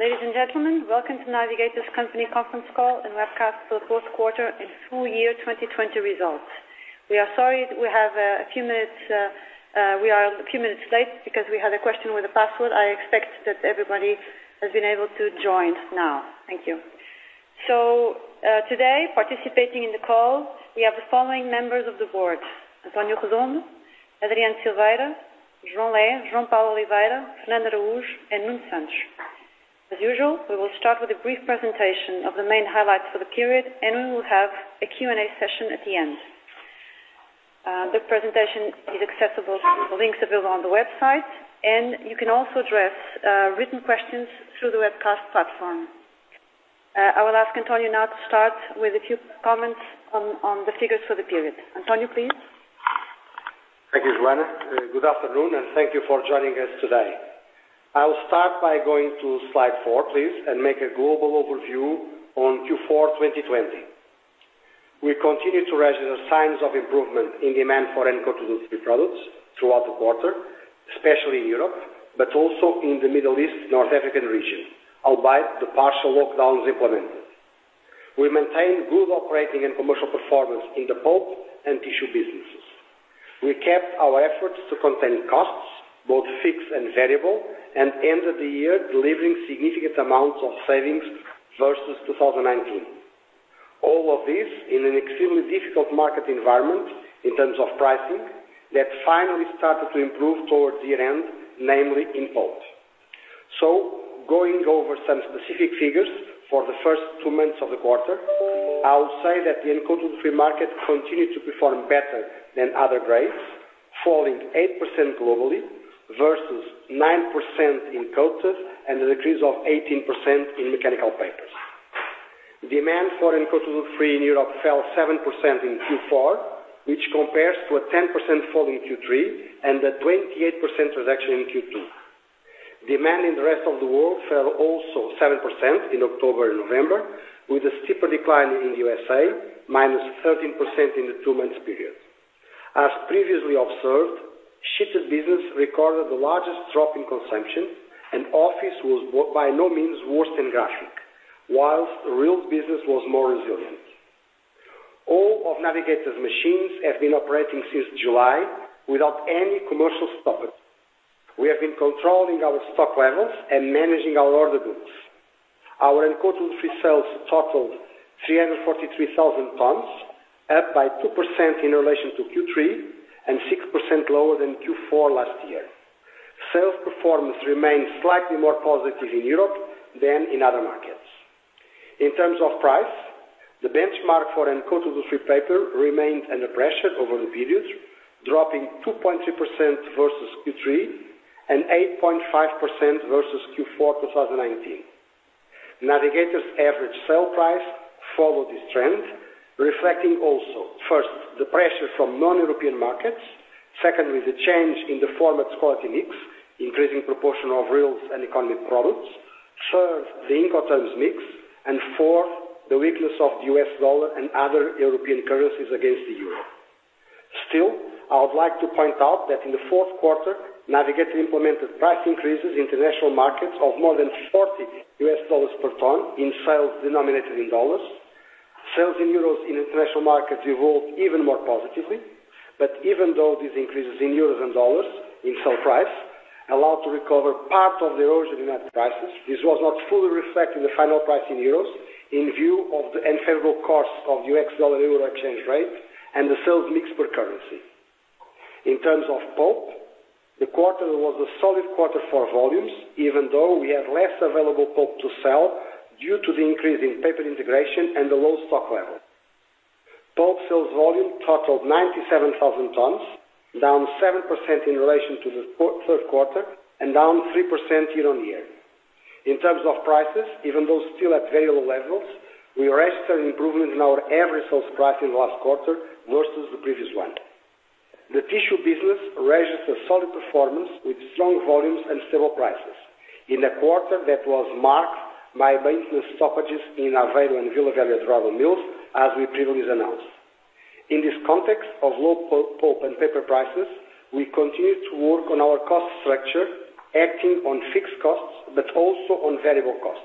Ladies and gentlemen, welcome to The Navigators Company conference call and webcast for the fourth quarter and full year 2020 results. We are sorry we are a few minutes late because we had a question with the password. I expect that everybody has been able to join now. Thank you. Today, participating in the call, we have the following members of the board, António Redondo, Adriano Silveira, João Lé, João Paulo Oliveira, Fernando Araújo, and Nuno Santos. As usual, we will start with a brief presentation of the main highlights for the period, and we will have a Q&A session at the end. The presentation is accessible. The links available on the website, and you can also address written questions through the webcast platform. I will ask António now to start with a few comments on the figures for the period. António, please. Thank you, Joana. Good afternoon, and thank you for joining us today. I will start by going to slide four, please, and make a global overview on Q4 2020. We continue to register signs of improvement in demand for uncoated woodfree products throughout the quarter, especially in Europe, but also in the Middle East, North African region, albeit the partial lockdowns implemented. We maintain good operating and commercial performance in the pulp and tissue businesses. We kept our efforts to contain costs, both fixed and variable, and ended the year delivering significant amounts of savings versus 2019. All of this in an extremely difficult market environment in terms of pricing, that finally started to improve towards the year-end, namely in pulp. Going over some specific figures for the first two months of the quarter, I would say that the uncoated woodfree market continued to perform better than other grades, falling 8% globally versus 9% in coated and a decrease of 18% in mechanical papers. Demand for uncoated woodfree in Europe fell 7% in Q4, which compares to a 10% fall in Q3 and a 28% reduction in Q2. Demand in the rest of the world fell also 7% in October, November, with a steeper decline in U.S.A., -13% in the two months period. As previously observed, shifted business recorded the largest drop in consumption, and office was by no means worse than graphic, while the real business was more resilient. All of Navigator's machines have been operating since July without any commercial stoppage. We have been controlling our stock levels and managing our order books. Our uncoated woodfree sales totaled 343,000 tons, up by 2% in relation to Q3 and 6% lower than Q4 last year. Sales performance remains slightly more positive in Europe than in other markets. In terms of price, the benchmark for uncoated woodfree paper remained under pressure over the period, dropping 2.3% versus Q3 and 8.5% versus Q4 2019. Navigator's average sale price followed this trend, reflecting also, first, the pressure from non-European markets, secondly, the change in the format's quality mix, increasing proportion of reels and economic products, third, the incoterms mix, and fourth, the weakness of the U.S. dollar and other European currencies against the euro. Still, I would like to point out that in the fourth quarter, Navigator implemented price increases in international markets of more than $40 per ton in sales denominated in U.S. dollars. Sales in euros in international markets evolved even more positively, even though these increases in euros and dollars in sale price allowed to recover part of the erosion in net prices, this was not fully reflected in the final price in euros in view of the unfavorable cost of U.S. dollar-euro exchange rate and the sales mix per currency. In terms of pulp, the quarter was a solid quarter for volumes, even though we had less available pulp to sell due to the increase in paper integration and the low stock level. Pulp sales volume totaled 97,000 tons, down 7% in relation to the third quarter and down 3% year-on-year. In terms of prices, even though still at very low levels, we registered an improvement in our average sales price in the last quarter versus the previous one. The tissue business registered a solid performance with strong volumes and stable prices in a quarter that was marked by maintenance stoppages in Aveiro and Vila Velha de Ródão mills, as we previously announced. In this context of low pulp and paper prices, we continued to work on our cost structure, acting on fixed costs, but also on variable costs.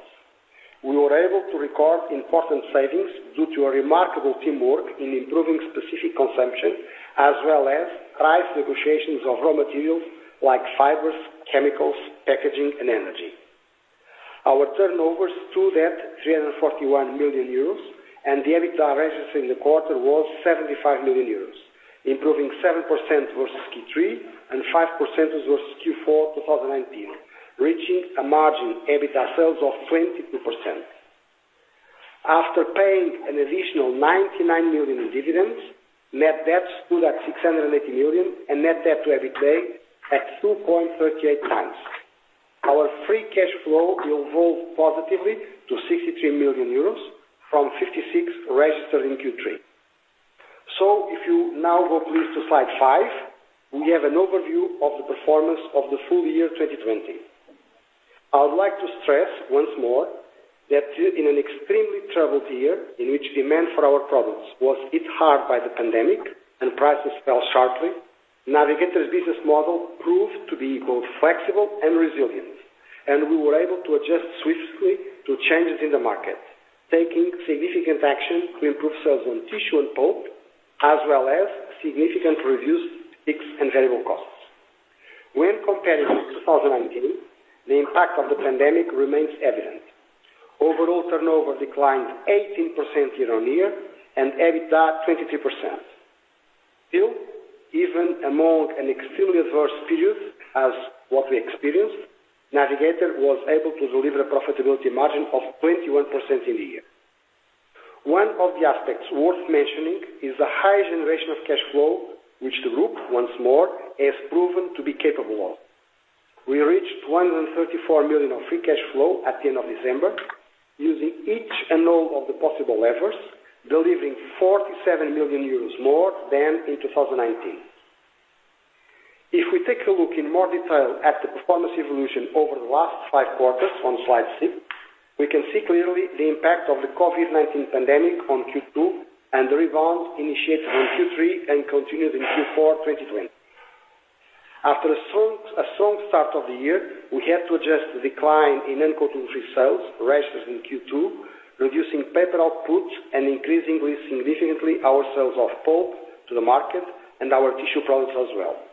We were able to record important savings due to a remarkable teamwork in improving specific consumption, as well as price negotiations of raw materials like fibers, chemicals, packaging, and energy. Our turnovers stood at 341 million euros, and the EBITDA registered in the quarter was 75 million euros, improving 7% versus Q3 and 5% versus Q4 2019, reaching a margin EBITDA sales of 22%. After paying an additional 99 million in dividends, net debt stood at 680 million and net debt to EBITDA at 2.38x. Our free cash flow evolved positively to 63 million euros from 56 million registered in Q3. If you now go, please, to slide five, we have an overview of the performance of the full year 2020. I would like to stress once more that in an extremely troubled year in which demand for our products was hit hard by the pandemic and prices fell sharply, Navigator's business model proved to be both flexible and resilient, and we were able to adjust swiftly to changes in the market, taking significant action to improve sales on tissue and pulp, as well as significant reduced fixed and variable costs. When comparing 2019, the impact of the pandemic remains evident. Overall turnover declined 18% year-on-year and EBITDA 23%. Even among an extremely adverse period as what we experienced, Navigator was able to deliver a profitability margin of 21% in the year. One of the aspects worth mentioning is the high generation of cash flow, which the group once more has proven to be capable of. We reached 134 million of free cash flow at the end of December, using each and all of the possible levers, delivering 47 million euros more than in 2019. If we take a look in more detail at the performance evolution over the last five quarters on slide six, we can see clearly the impact of the COVID-19 pandemic on Q2 and the rebound initiated in Q3 and continued in Q4 2020. After a strong start of the year, we had to adjust the decline in uncoated woodfree sales registered in Q2, reducing paper outputs, and increasingly significantly our sales of pulp to the market and our tissue products as well.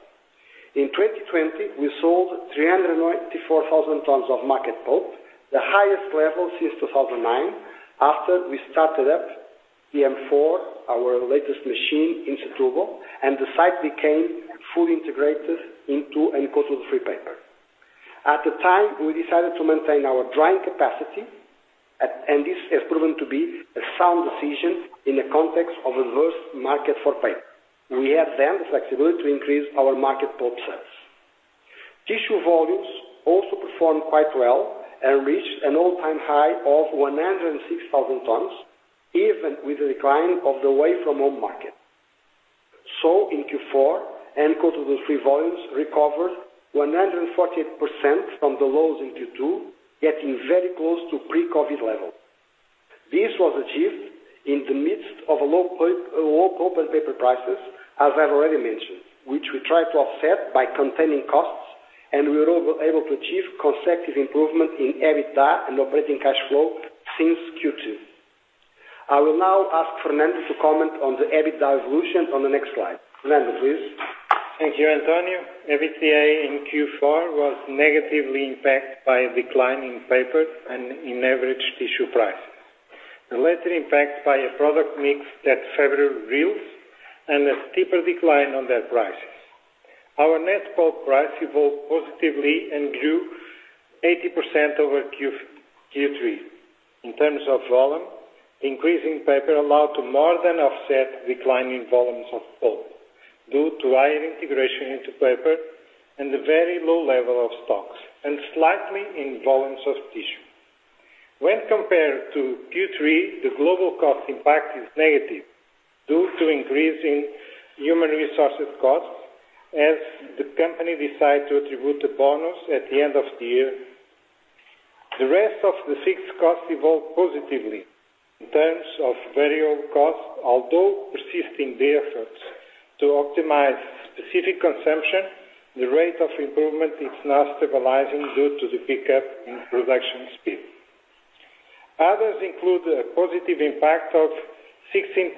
In 2020, we sold 394,000 tons of market pulp, the highest level since 2009, after we started up PM4, our latest machine in Setúbal, and the site became fully integrated into uncoated woodfree paper. At the time, we decided to maintain our drying capacity, and this has proven to be a sound decision in the context of adverse market for paper. We have the flexibility to increase our market pulp sales. Tissue volumes also performed quite well and reached an all-time high of 106,000 tons, even with the decline of the away-from-home market. In Q4, uncoated woodfree volumes recovered 148% from the lows in Q2, getting very close to pre-COVID-19 level. This was achieved in the midst of low pulp and paper prices, as I've already mentioned, which we tried to offset by containing costs, and we were able to achieve consecutive improvement in EBITDA and operating cash flow since Q2. I will now ask Fernando to comment on the EBITDA evolution on the next slide. Fernando, please. Thank you, António. EBITDA in Q4 was negatively impacted by a decline in paper and in average tissue prices. The latter impacted by a product mix that favored reels and a steeper decline on their prices. Our net pulp price evolved positively and grew 80% over Q3. In terms of volume, increase in paper allowed to more than offset decline in volumes of pulp due to higher integration into paper and a very low level of stocks and slightly in volumes of tissue. When compared to Q3, the global cost impact is negative due to increase in human resources costs as the company decide to attribute a bonus at the end of the year. The rest of the fixed cost evolved positively in terms of variable cost. Although persisting the efforts to optimize specific consumption, the rate of improvement is now stabilizing due to the pickup in production speed. Others include a positive impact of 16.7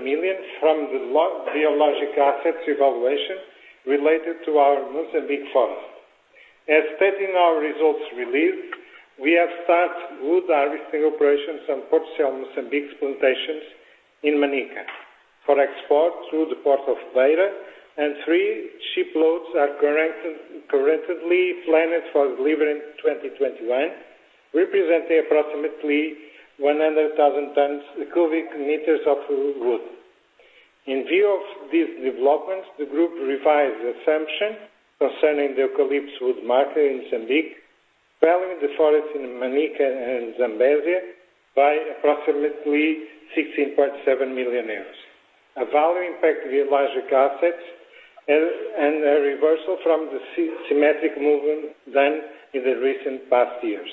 million from the biological assets evaluation related to our Mozambique forest. As stated in our results release, we have start wood harvesting operations on Portucel Moçambique's plantations in Manica for export through the Port of Beira, and three shiploads are currently planned for delivery in 2021, representing approximately 100,000 tons with cubic meters of wood. In view of these developments, the group revised assumption concerning the eucalyptus wood market in Mozambique, valuing the forest in Manica and Zambezia by approximately 16.7 million euros, a value impact biological assets, and a reversal from the symmetric movement than in the recent past years.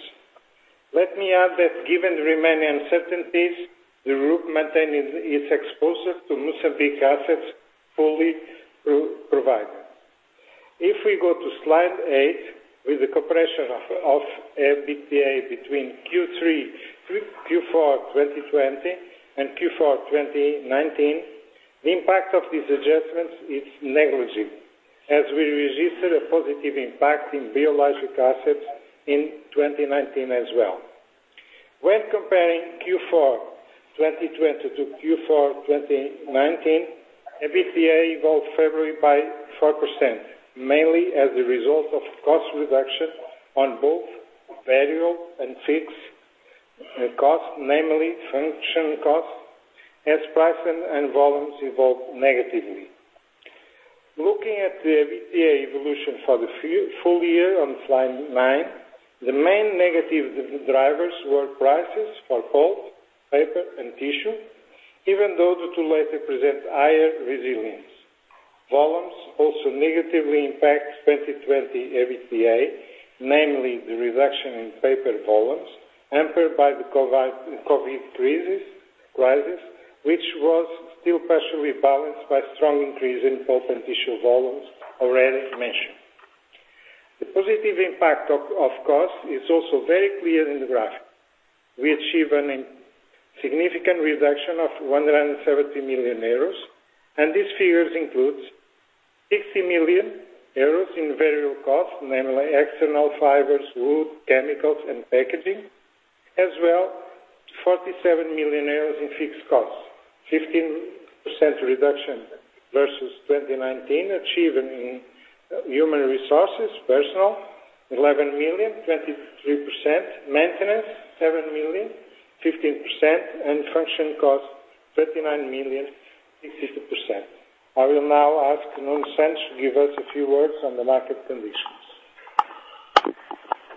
Let me add that given the remaining uncertainties, the group maintaining its exposure to Mozambique assets fully provided. If we go to slide eight, with the comparison of EBITDA between Q3, Q4 2020 and Q4 2019, the impact of these adjustments is negligible, as we registered a positive impact in biological assets in 2019 as well. When comparing Q4 2020 to Q4 2019, EBITDA evolved favorably by 4%, mainly as a result of cost reduction on both variable and fixed cost, namely function cost, as price and volumes evolved negatively. Looking at the EBITDA evolution for the full year on slide nine, the main negative drivers were prices for pulp, paper, and tissue, even though the two latter present higher resilience. Volumes also negatively impact 2020 EBITDA, namely the reduction in paper volumes hampered by the COVID crisis, which was still partially balanced by strong increase in pulp and tissue volumes already mentioned. The positive impact of cost is also very clear in the graph. We achieve a significant reduction of 107 million euros, and these figures includes 60 million euros in variable costs, namely external fibers, wood, chemicals, and packaging, as well 47 million euros in fixed costs, 15% reduction versus 2019, achieved in human resources, personal, 11 million, 23%, maintenance, 7 million, 15%, and function cost, 39 million, 60%. I will now ask Nuno Santos to give us a few words on the market conditions.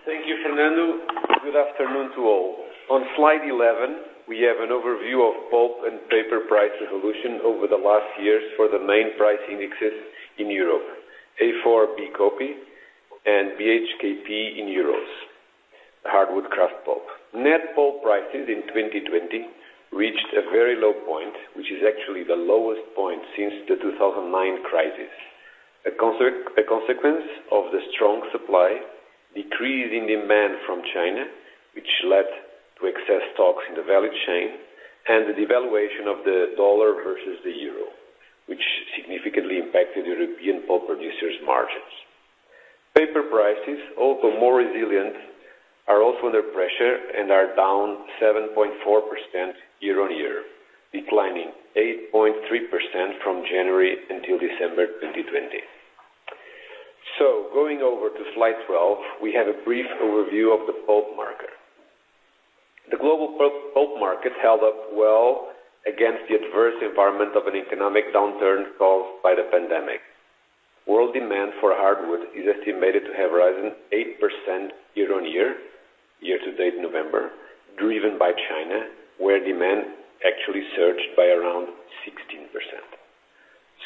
Thank you, Fernando. Good afternoon to all. On slide 11, we have an overview of pulp and paper price evolution over the last years for the main price indexes in Europe, A4 B-copy and BHKP in euros, hardwood kraft pulp. Net pulp prices in 2020 reached a very low point, which is actually the lowest point since the 2009 crisis. A consequence of the strong supply, decrease in demand from China, which led to excess stocks in the value chain, and the devaluation of the dollar versus the euro, which significantly impacted European pulp producers' margins. Paper prices, although more resilient, are also under pressure and are down 7.4% year-on-year, declining 8.3% from January until December 2020. So, going over to slide 12, we have a brief overview of the pulp market. The global pulp market held up well against the adverse environment of an economic downturn caused by the pandemic. World demand for hardwood is estimated to have risen 8% year-on-year, year to date November, driven by China, where demand actually surged by around 16%.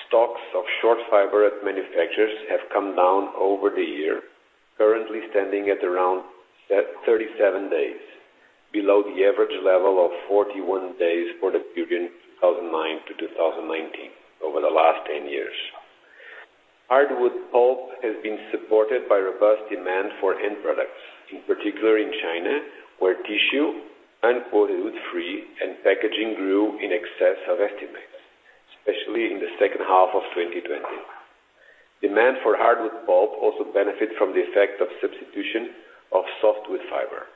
Stocks of short fiber at manufacturers have come down over the year, currently standing at around 37 days, below the average level of 41 days for the period 2009-2019, over the last 10 years. Hardwood pulp has been supported by robust demand for end products, in particular in China, where tissue, uncoated woodfree and packaging grew in excess of estimates, especially in the second half of 2020. Demand for hardwood pulp also benefit from the effect of substitution of softwood fiber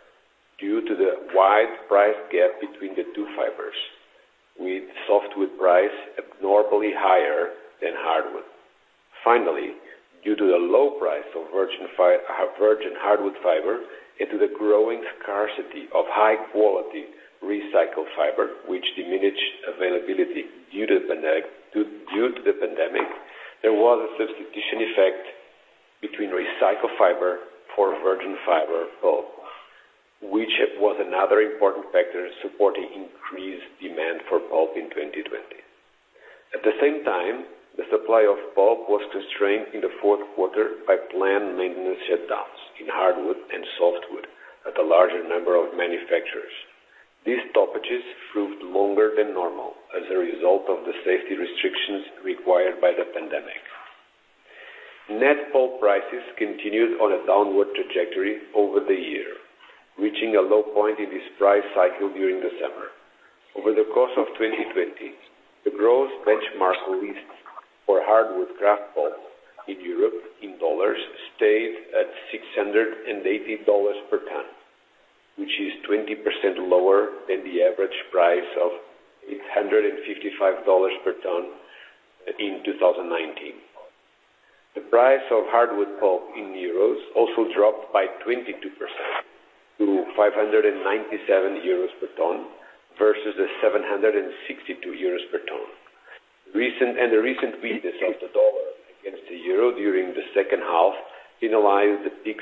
due to the wide price gap between the two fibers, with softwood price abnormally higher than hardwood. Finally, due to the low price of virgin hardwood fiber and to the growing scarcity of high quality recycled fiber, which diminished availability due to the pandemic, there was a substitution effect between recycled fiber for virgin fiber pulp, which was another important factor supporting increased demand for pulp in 2020. At the same time, the supply of pulp was constrained in the fourth quarter by plant maintenance shutdowns in hardwood and softwood at a larger number of manufacturers. These stoppages proved longer than normal as a result of the safety restrictions required by the pandemic. Net pulp prices continued on a downward trajectory over the year, reaching a low point in this price cycle during the summer. Over the course of 2020, the gross benchmark list for hardwood kraft pulp in Europe in dollars stayed at $680 per ton, which is 20% lower than the average price of $855 per ton in 2019. The price of hardwood pulp in euros also dropped by 22% to 597 euros per ton versus the 762 euros per ton. The recent weakness of the dollar against the euro during the second half penalized the PIX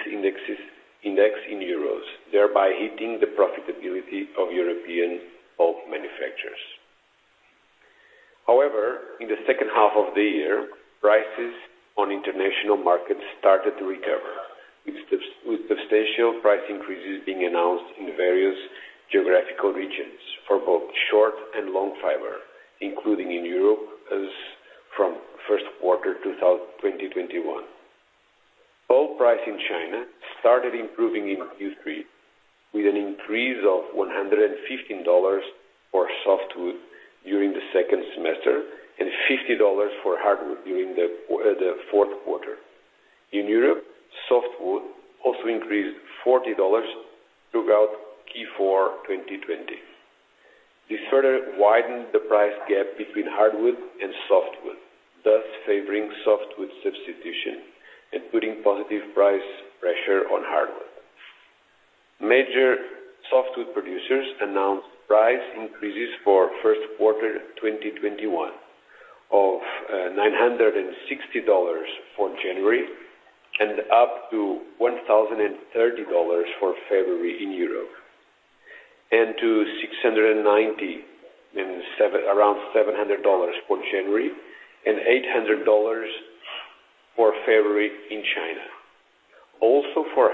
index in euros, thereby hitting the profitability of European pulp manufacturers. However, in the second half of the year, prices on international markets started to recover, with substantial price increases being announced in various geographical regions for both short and long fiber, including in Europe from first quarter 2021. Pulp price in China started improving in Q3, with an increase of $115 for softwood during the second semester and $50 for hardwood during the fourth quarter. In Europe, softwood also increased $40 throughout Q4 2020. This further widened the price gap between hardwood and softwood, thus favoring softwood substitution and putting positive price pressure on hardwood. Major softwood producers announced price increases for first quarter 2021 of $960 for January and up to $1,030 for February in Europe. To $690 and around $700 for January, and $800 for February in China. For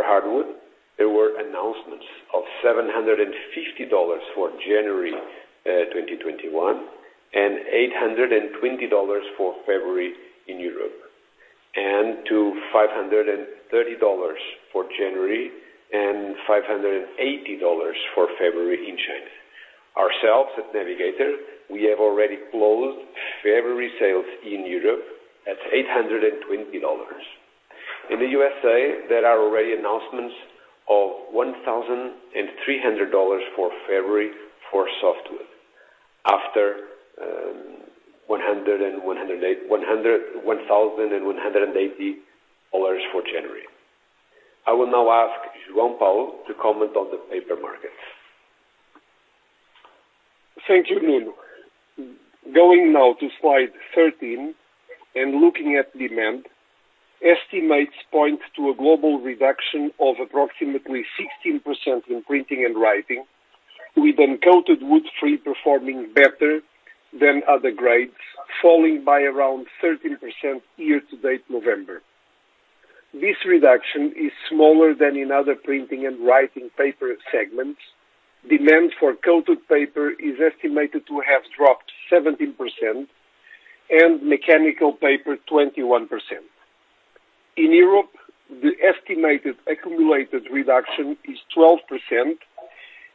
hardwood, there were announcements of $750 for January 2021, and $820 for February in Europe, and to $530 for January and $580 for February in China. Ourself as Navigator, we have already closed February sales in Europe at $820. In the U.S.A., there are already announcements of $1,300 for February for softwood, after $1,180 for January. I will now ask João Paulo to comment on the paper markets. Thank you, Nuno. Going now to slide 13 and looking at demand. Estimates point to a global reduction of approximately 16% in printing and writing, with uncoated woodfree performing better than other grades, falling by around 13% year-to-date November. This reduction is smaller than in other printing and writing paper segments. Demand for coated paper is estimated to have dropped 17%, and mechanical paper 21%. In Europe, the estimated accumulated reduction is 12%,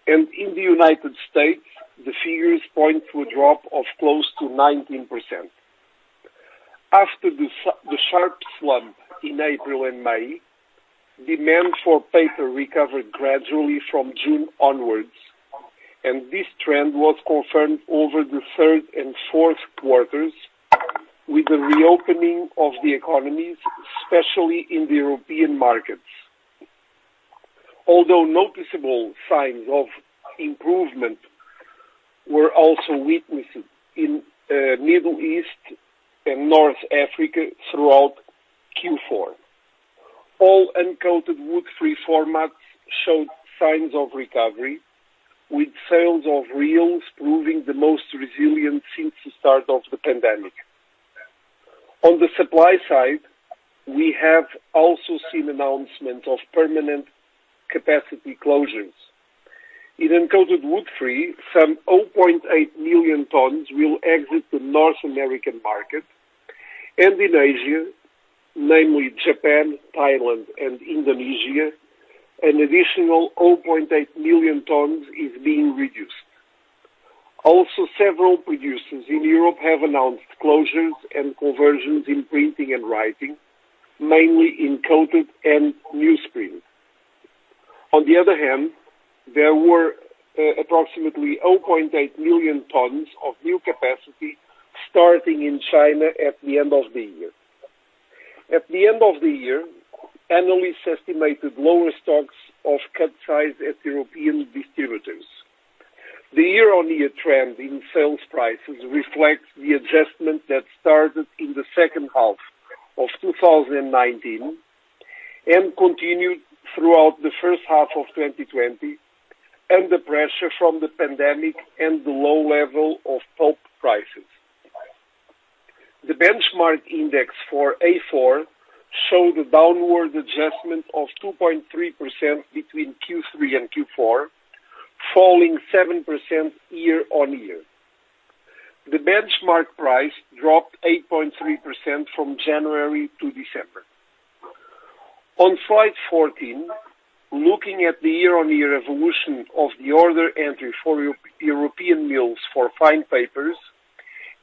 and in the U.S., the figures point to a drop of close to 19%. After the sharp slump in April and May, demand for paper recovered gradually from June onwards, and this trend was confirmed over the third and fourth quarters with the reopening of the economies, especially in the European markets. Although noticeable signs of improvement were also witnessed in Middle East and North Africa throughout Q4. All uncoated woodfree formats showed signs of recovery, with sales of reels proving the most resilient since the start of the pandemic. On the supply side, we have also seen announcement of permanent capacity closures. In uncoated woodfree, some 0.8 million tons will exit the North American market. In Asia, namely Japan, Thailand, and Indonesia, an additional 0.8 million tons is being reduced. Also, several producers in Europe have announced closures and conversions in printing and writing, mainly in coated and newsprint. On the other hand, there were approximately 0.8 million tons of new capacity starting in China at the end of the year. At the end of the year, analysts estimated lower stocks of cut size at European distributors. The year-on-year trend in sales prices reflects the adjustment that started in the second half of 2019, and continued throughout the first half of 2020, and the pressure from the pandemic and the low level of pulp prices. The benchmark index for A4 showed a downward adjustment of 2.3% between Q3 and Q4, falling 7% year-on-year. The benchmark price dropped 8.3% from January to December. On slide 14, looking at the year-on-year evolution of the order entry for European mills for fine papers,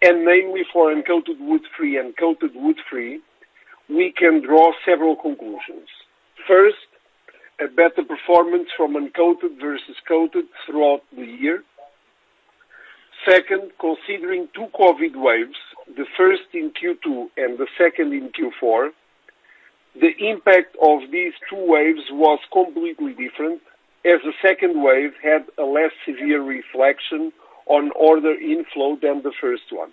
and mainly for uncoated woodfree and coated woodfree, we can draw several conclusions. First, a better performance from uncoated versus coated throughout the year. Second, considering two COVID waves, the first in Q2 and the second in Q4, the impact of these two waves was completely different, as the second wave had a less severe reflection on order inflow than the first one.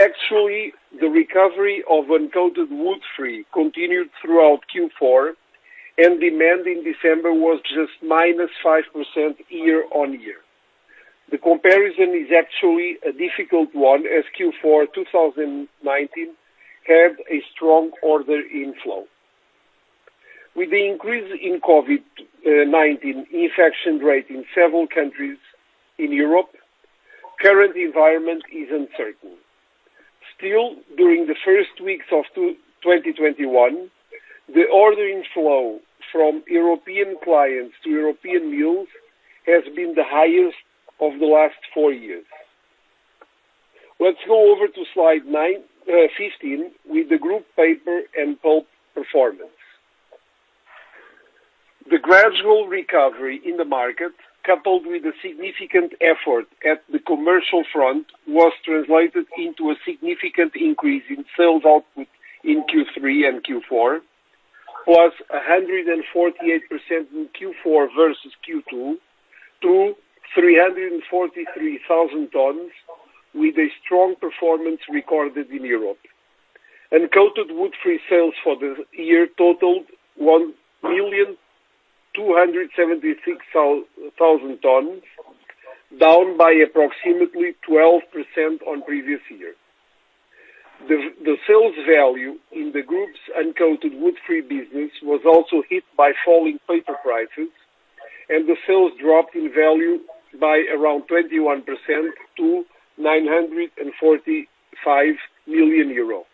Actually, the recovery of uncoated woodfree continued throughout Q4, and demand in December was just minus 5% year-on-year. The comparison is actually a difficult one, as Q4 2019 had a strong order inflow. With the increase in COVID-19 infection rate in several countries in Europe, current environment is uncertain. Still, during the first weeks of 2021, the ordering flow from European clients to European mills has been the highest of the last four years. Let's go over to slide 15 with the group paper and pulp performance. The gradual recovery in the market, coupled with a significant effort at the commercial front, was translated into a significant increase in sales output in Q3 and Q4, +148% in Q4 versus Q2, 343,000 tons with a strong performance recorded in Europe. Coated wood-free sales for this year totaled 1,276,000 tons, down by approximately 12% on previous year. The sales value in the group's uncoated woodfree business was also hit by falling paper prices, and the sales dropped in value by around 21% to 945 million euro.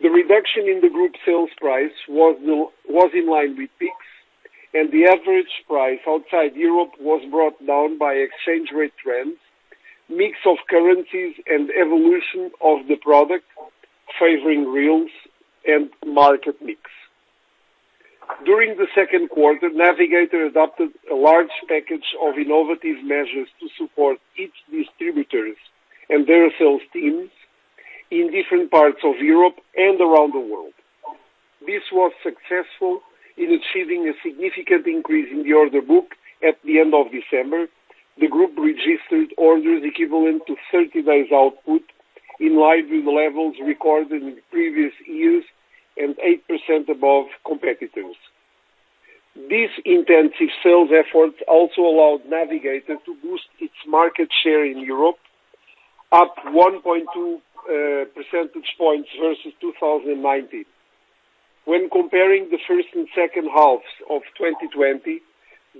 The reduction in the group sales price was in line with PIX, and the average price outside Europe was brought down by exchange rate trends, mix of currencies, and evolution of the product favoring reels and market mix. During the second quarter, Navigator adopted a large package of innovative measures to support its distributors and their sales teams in different parts of Europe and around the world. This was successful in achieving a significant increase in the order book at the end of December. The group registered orders equivalent to 30 days output, in line with levels recorded in previous years and 8% above competitors. These intensive sales efforts also allowed Navigator to boost its market share in Europe, up 1.2 percentage points versus 2019. When comparing the first and second halves of 2020,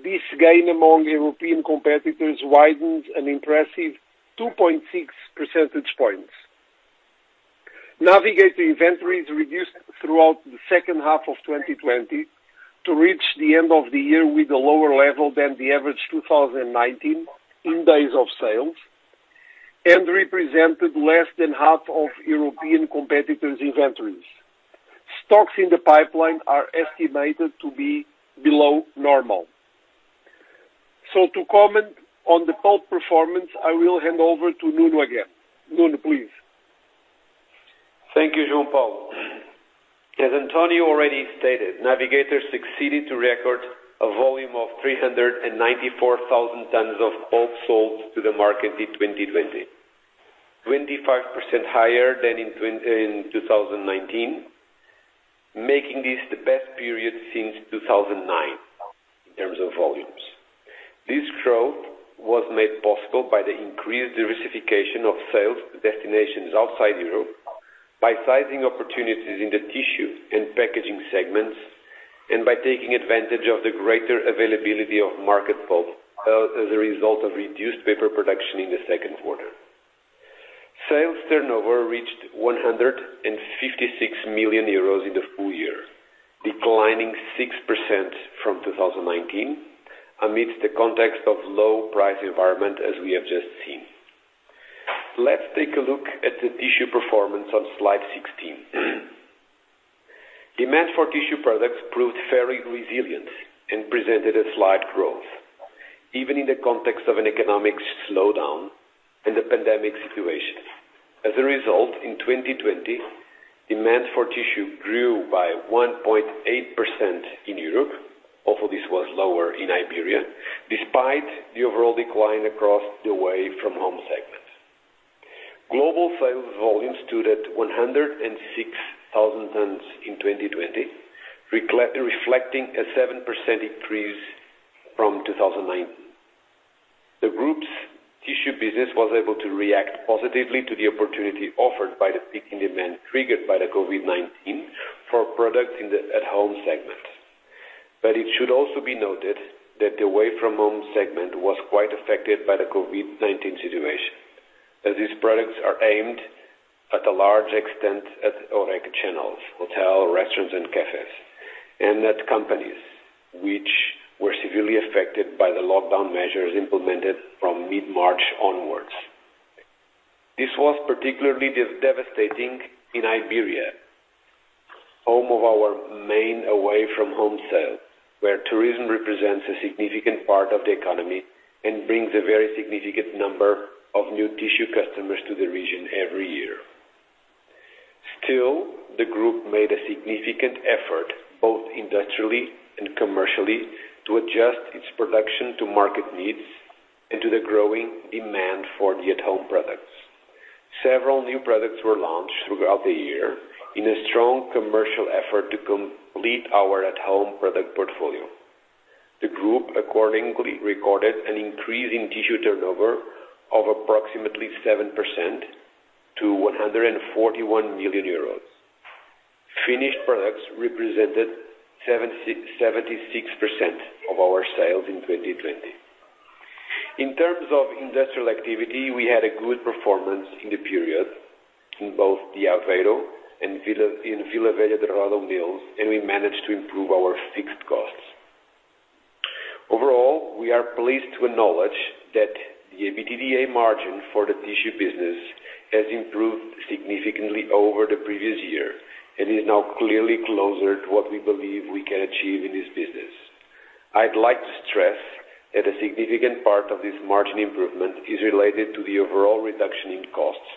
this gain among European competitors widened an impressive 2.6 percentage points. Navigator inventories reduced throughout the second half of 2020 to reach the end of the year with a lower level than the average 2019 in days of sales and represented less than half of European competitors' inventories. Stocks in the pipeline are estimated to be below normal. To comment on the pulp performance, I will hand over to Nuno again. Nuno, please. Thank you, João Paulo. As António already stated, Navigator succeeded to record a volume of 394,000 tons of pulp sold to the market in 2020, 25% higher than in 2019, making this the best period since 2009 in terms of volumes. This growth was made possible by the increased diversification of sales to destinations outside Europe, by sizing opportunities in the tissue and packaging segments, and by taking advantage of the greater availability of market pulp as a result of reduced paper production in the second quarter. Sales turnover reached 156 million euros in the full year, declining 6% from 2019 amidst the context of low price environment as we have just seen. Let's take a look at the tissue performance on slide 16. Demand for tissue products proved very resilient and presented a slight growth, even in the context of an economic slowdown and the pandemic situation. As a result, in 2020, demand for tissue grew by 1.8% in Europe, although this was lower in Iberia, despite the overall decline across the away-from-home segment. Global sales volume stood at 106,000 tons in 2020, reflecting a 7% increase from 2019. The group's tissue business was able to react positively to the opportunity offered by the peak in demand triggered by the COVID-19 for products in the at-home segment. It should also be noted that the away-from-home segment was quite affected by the COVID-19 situation, as these products are aimed at a large extent at HORECA channels, hotel, restaurants, and cafes, and at companies which were severely affected by the lockdown measures implemented from mid-March onwards. This was particularly devastating in Iberia, home of our main away-from-home sale, where tourism represents a significant part of the economy and brings a very significant number of new tissue customers to the region every year. Still, the group made a significant effort, both industrially and commercially, to adjust its production to market needs and to the growing demand for the at-home products. Several new products were launched throughout the year in a strong commercial effort to complete our at-home product portfolio. The group accordingly recorded an increase in tissue turnover of approximately 7% to 141 million euros. Finished products represented 76% of our sales in 2020. In terms of industrial activity, we had a good performance in the period in both the Aveiro and Vila Velha de Ródão mills, and we managed to improve our fixed costs. Overall, we are pleased to acknowledge that the EBITDA margin for the tissue business has improved significantly over the previous year and is now clearly closer to what we believe we can achieve in this business. I'd like to stress that a significant part of this margin improvement is related to the overall reduction in costs,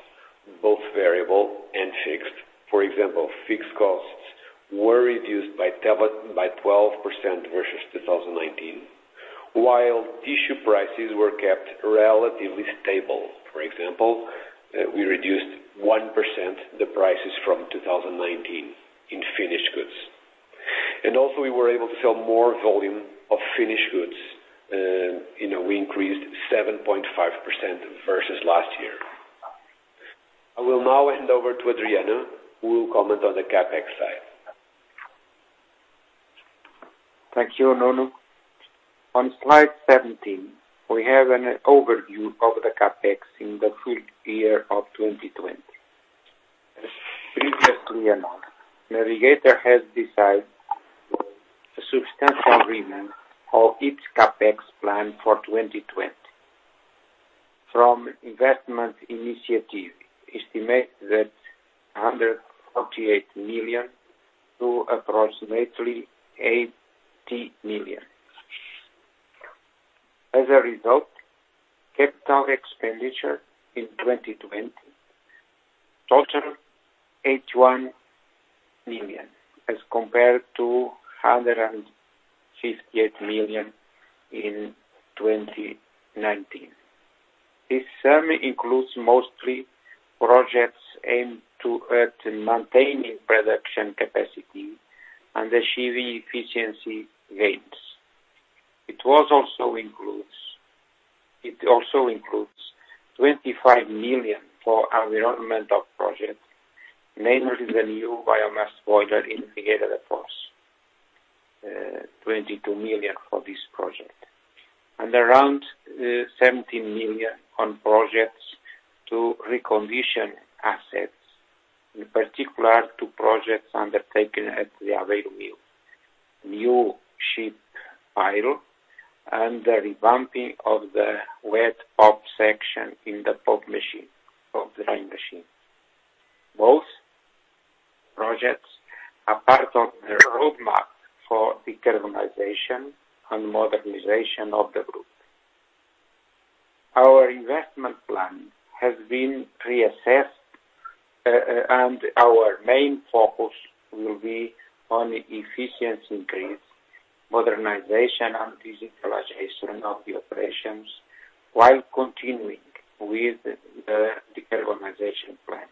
both variable and fixed. For example, fixed costs were reduced by 12% versus 2019, while tissue prices were kept relatively stable. For example, we reduced 1% the prices from 2019 in finished goods. And also, we were able to sell more volume of finished goods. We increased 7.5% versus last year. I will now hand over to Adriano, who will comment on the CapEx side. Thank you, Nuno. On slide 17, we have an overview of the CapEx in the full year of 2020. [inaudible] Navigator has decided a substantial revision of its CapEx plan for 2020. From investment initiative estimate that 148 million to approximately 80 million. As a result, capital expenditure in 2020 totaled 81 million as compared to 158 million in 2019. This sum includes mostly projects aimed to maintaining production capacity and achieving efficiency gains. It also includes 25 million for our environmental project, namely the new biomass boiler in Figueira da Foz, 22 million for this project, and around 17 million on projects to recondition assets, in particular, two projects undertaken at the Aveiro mill. New sheet pile and the revamping of the wet pulp section in the pulp machine of the line machine. Both projects are part of the roadmap for decarbonization and modernization of the group. Our investment plan has been reassessed. Our main focus will be on efficiency increase, modernization, and digitalization of the operations while continuing with the decarbonization plan.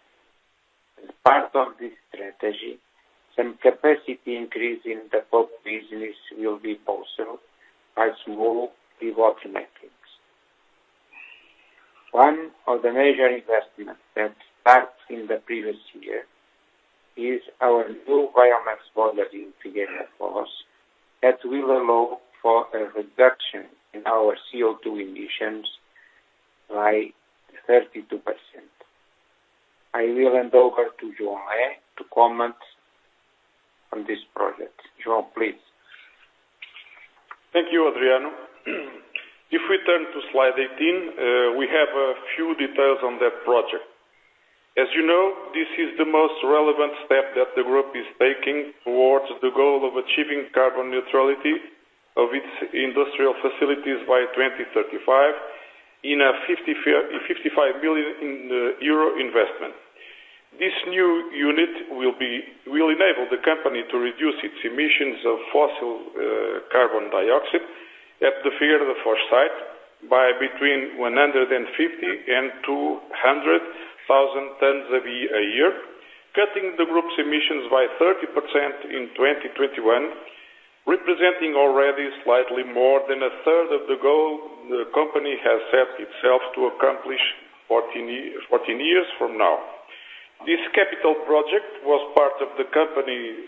As part of this strategy, some capacity increase in the pulp business will be possible by small revamping. One of the major investments that starts in the previous year is our new biomass boiler in Figueira da Foz that will allow for a reduction in our CO2 emissions by 32%. I will hand over to João to comment on this project. João, please. Thank you, Adriano. If we turn to slide 18, we have a few details on that project. As you know, this is the most relevant step that the group is taking towards the goal of achieving carbon neutrality of its industrial facilities by 2035 in a 55 million euro investment. This new unit will enable the company to reduce its emissions of fossil carbon dioxide at the Figueira da Foz site by between 150 and 200,000 tons a year, cutting the group's emissions by 30% in 2021, representing already slightly more than a third of the goal the company has set itself to accomplish 14 years from now. This capital project was part of the company's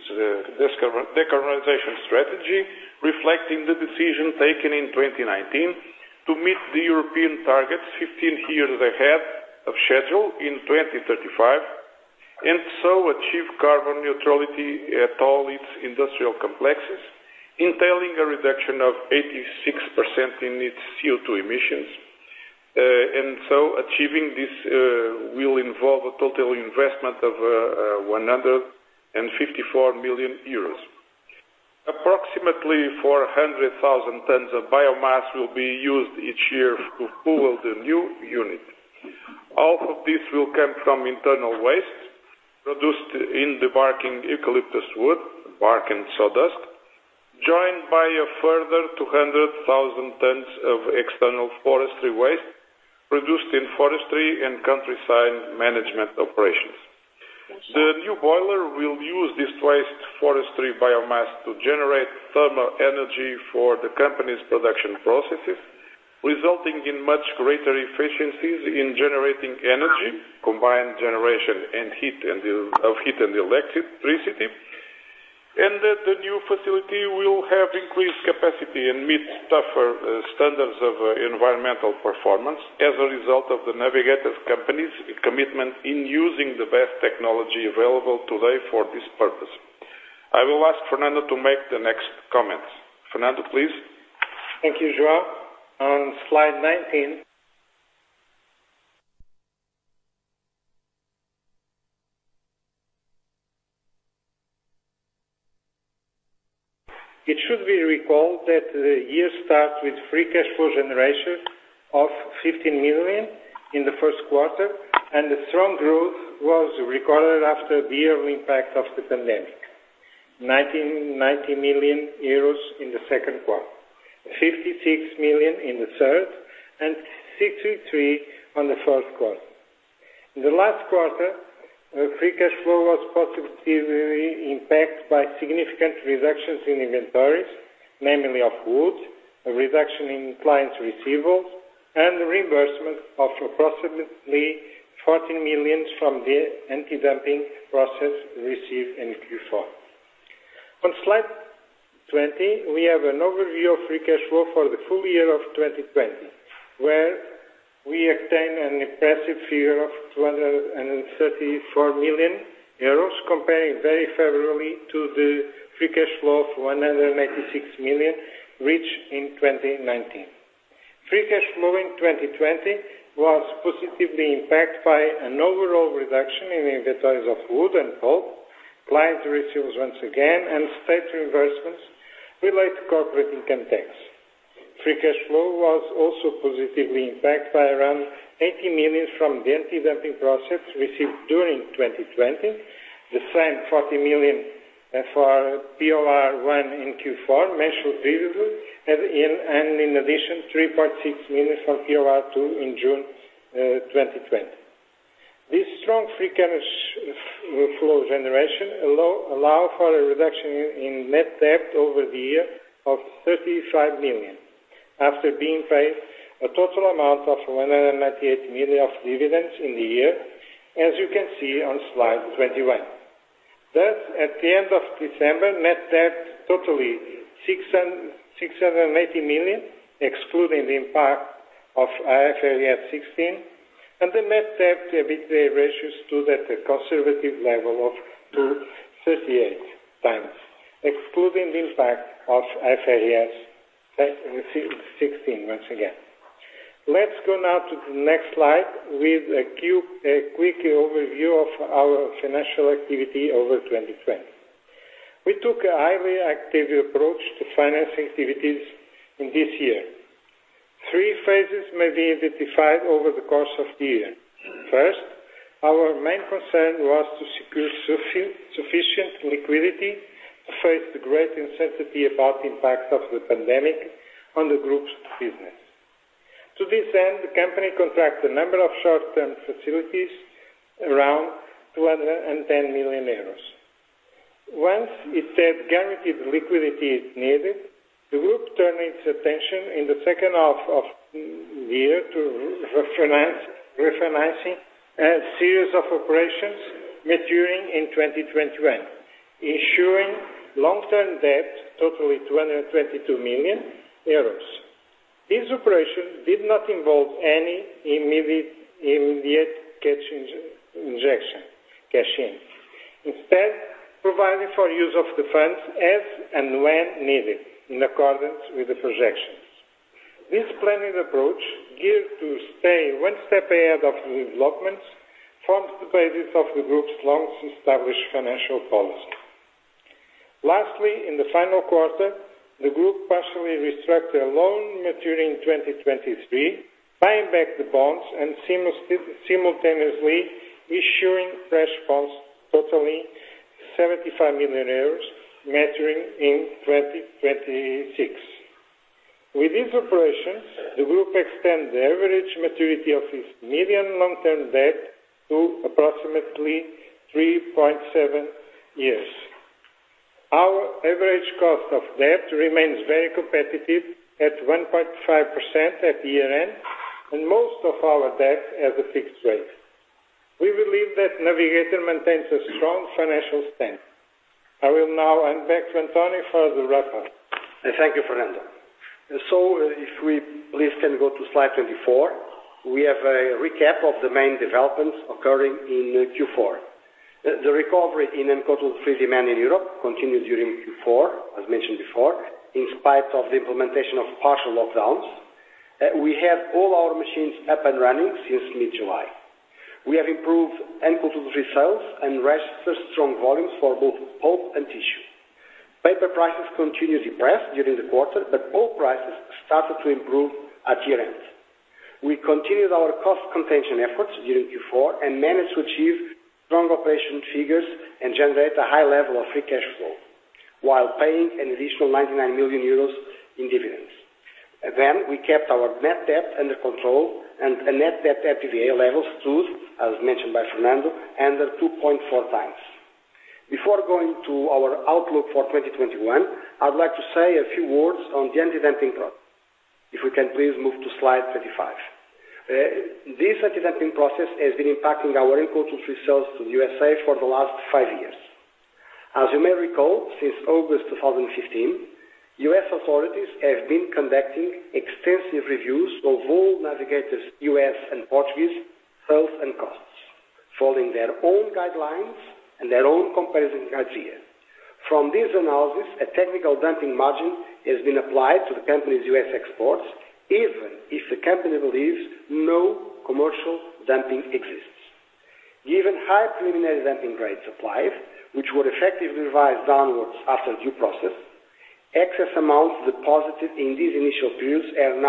decarbonization strategy, reflecting the decision taken in 2019 to meet the European targets 15 years ahead of schedule in 2035, and so achieve carbon neutrality at all its industrial complexes, entailing a reduction of 86% in its CO2 emissions. Achieving this will involve a total investment of 154 million euros. Approximately 400,000 tons of biomass will be used each year to fuel the new unit. All of this will come from internal waste produced in debarking eucalyptus wood, bark, and sawdust, joined by a further 200,000 tons of external forestry waste produced in forestry and countryside management operations. The new boiler will use this waste forestry biomass to generate thermal energy for the company's production processes, resulting in much greater efficiencies in generating energy, combined generation of heat and electricity, and that the new facility will have increased capacity and meet tougher standards of environmental performance as a result of The Navigator Company's commitment in using the best technology available today for this purpose. I will ask Fernando to make the next comments. Fernando, please. Thank you, João. On slide 19. It should be recalled that the year start with free cash flow generation of 15 million in the first quarter, and the strong growth was recorded after the yearly impact of the pandemic, 90 million euros in the second quarter, 56 million in the third, and 63 million on the fourth quarter. In the last quarter, free cash flow was positively impacted by significant reductions in inventories, mainly of wood, a reduction in clients' receivables, and reimbursement of approximately 14 millions from the antidumping process received in Q4. On slide 20, we have an overview of free cash flow for the full year of 2020, where we obtained an impressive figure of 234 million euros, comparing very favorably to the free cash flow of 186 million reached in 2019. Free cash flow in 2020 was positively impacted by an overall reduction in inventories of wood and pulp, clients' receivables once again, and state reimbursements relate to corporate income tax. Free cash flow was also positively impacted by around 80 million from the antidumping process received during 2020, the same 40 million for POR1 in Q4 mentioned previously, and in addition, 346 million for POR2 in June 2020. This strong free cash flow generation allow for a reduction in net debt over the year of 35 million, after being paid a total amount of 198 million of dividends in the year, as you can see on slide 21. Thus, at the end of December, net debt totally 690 million, excluding the impact of IFRS 16, and the net debt to EBITDA ratio stood at a conservative level of 2.38x, excluding the impact of IFRS 16 once again. Let's go now to the next slide with a quick overview of our financial activity over 2020. We took a highly active approach to finance activities in this year. Three phases may be identified over the course of the year. First, our main concern was to secure sufficient liquidity to face the great uncertainty about the impact of the pandemic on the group's business. To this end, the company contracts a number of short-term facilities around 210 million euros. Once it said guaranteed liquidity is needed, the group turned its attention in the second half of the year to refinancing a series of operations maturing in 2021, ensuring long-term debt totaling 222 million euros. This operation did not involve any immediate cash injection, cash-in. Instead, providing for use of the funds as and when needed in accordance with the projections. This planning approach geared to stay one step ahead of the developments forms the basis of the group's long-established financial policy. Lastly, in the final quarter, the group partially restructured a loan maturing in 2023, buying back the bonds and simultaneously issuing fresh bonds totaling 75 million euros maturing in 2026. With these operations, the group extend the average maturity of its medium and long-term debt to approximately 3.7 years. Our average cost of debt remains very competitive at 1.5% at year-end, and most of our debt has a fixed rate. We believe that Navigator maintains a strong financial stance. I will now hand back to António for the wrap-up. Thank you, Fernando. If we please can go to slide 24, we have a recap of the main developments occurring in Q4. The recovery in uncoated woodfree demand in Europe continued during Q4, as mentioned before, in spite of the implementation of partial lockdowns. We have all our machines up and running since mid-July. We have improved uncoated woodfree sales and registered strong volumes for both pulp and tissue. Paper prices continued depressed during the quarter, but pulp prices started to improve at year-end. We continued our cost contention efforts during Q4 and managed to achieve strong operation figures and generate a high level of free cash flow while paying an additional 99 million euros in dividends. We kept our net debt under control, and net debt to EBITDA levels stood, as mentioned by Fernando, under 2.4x. Before going to our outlook for 2021, I would like to say a few words on the antidumping process. If we can please move to slide 25. This antidumping process has been impacting our uncoated woodfree sales to the U.S.A. for the last five years. As you may recall, since August 2015, U.S. authorities have been conducting extensive reviews of all Navigator's U.S. and Portuguese sales and costs, following their own guidelines and their own comparison criteria. From this analysis, a technical dumping margin has been applied to the company's U.S. exports, even if the company believes no commercial dumping exists. Given high preliminary dumping rates applied, which were effectively revised downwards after due process, excess amounts deposited in these initial periods are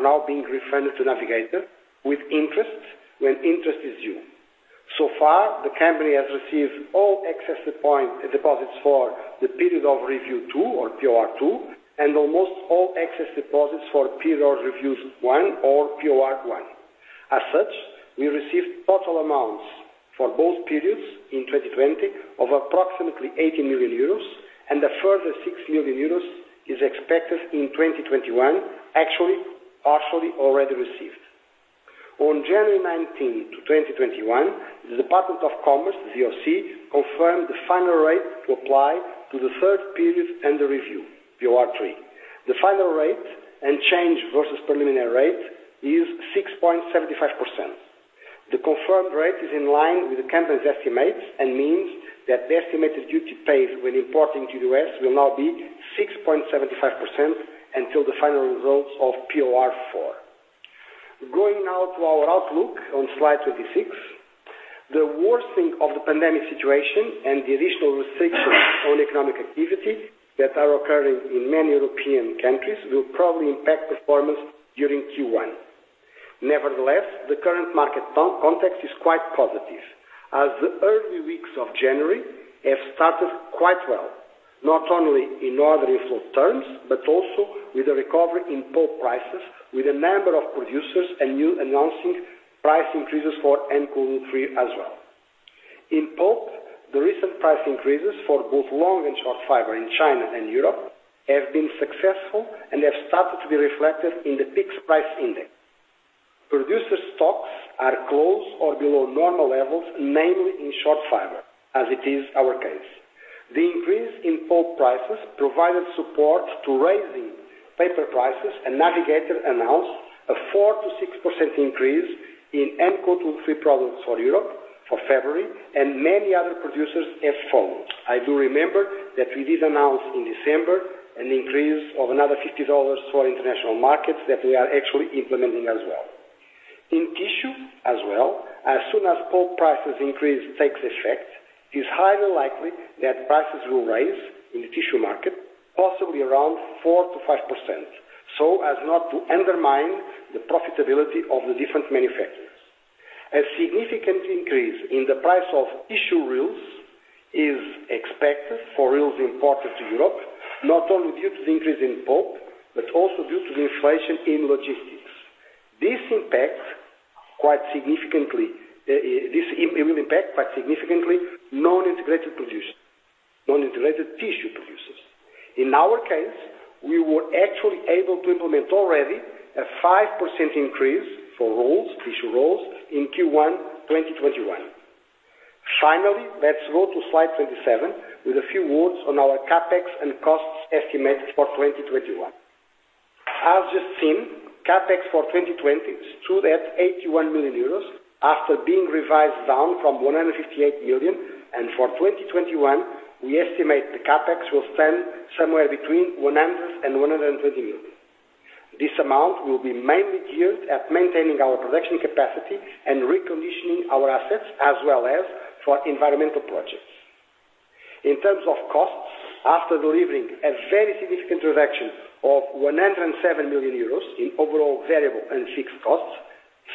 now being refunded to Navigator with interest when interest is due. So far, the company has received all excess deposits for the period of review two, or POR2, and almost all excess deposits for period of review one, or POR1. We received total amounts for both periods in 2020 of approximately 80 million euros, and a further 6 million euros is expected in 2021, actually partially already received. On January 19, 2021, the Department of Commerce, DOC, confirmed the final rate to apply to the third period under review, POR3. The final rate and change versus preliminary rate is 6.75%. The confirmed rate is in line with the company's estimates and means that the estimated duty paid when importing to the U.S. will now be 6.75% until the final results of POR4. Going now to our outlook on slide 26. The worsening of the pandemic situation and the additional restrictions on economic activity that are occurring in many European countries will probably impact performance during Q1. Nevertheless, the current market context is quite positive, as the early weeks of January have started quite well, not only in order inflow terms, but also with a recovery in pulp prices, with a number of producers announcing price increases for N-cool 3 as well. In pulp, the recent price increases for both long and short fiber in China and Europe have been successful and have started to be reflected in the PIX price index. Producer stocks are close or below normal levels, namely in short fiber, as it is our case. The increase in pulp prices provided support to raising paper prices, and Navigator announced a 4%-6% increase in N-cool 3 products for Europe for February, and many other producers have followed. I do remember that we did announce in December an increase of another $50 for international markets that we are actually implementing as well. In tissue as well, as soon as pulp prices increase takes effect, it is highly likely that prices will rise in the tissue market, possibly around 4%-5%, so as not to undermine the profitability of the different manufacturers. A significant increase in the price of tissue reels is expected for reels imported to Europe, not only due to the increase in pulp, but also due to the inflation in logistics. This will impact quite significantly non-integrated tissue producers. In our case, we were actually able to implement already a 5% increase for tissue rolls in Q1 2021. Let's go to slide 27 with a few words on our CapEx and costs estimates for 2021. As just seen, CapEx for 2020 stood at 81 million euros after being revised down from 158 million, and for 2021, we estimate the CapEx will stand somewhere between 100 million and 120 million. This amount will be mainly geared at maintaining our production capacity and reconditioning our assets as well as for environmental projects. In terms of costs, after delivering a very significant reduction of 107 million euros in overall variable and fixed costs,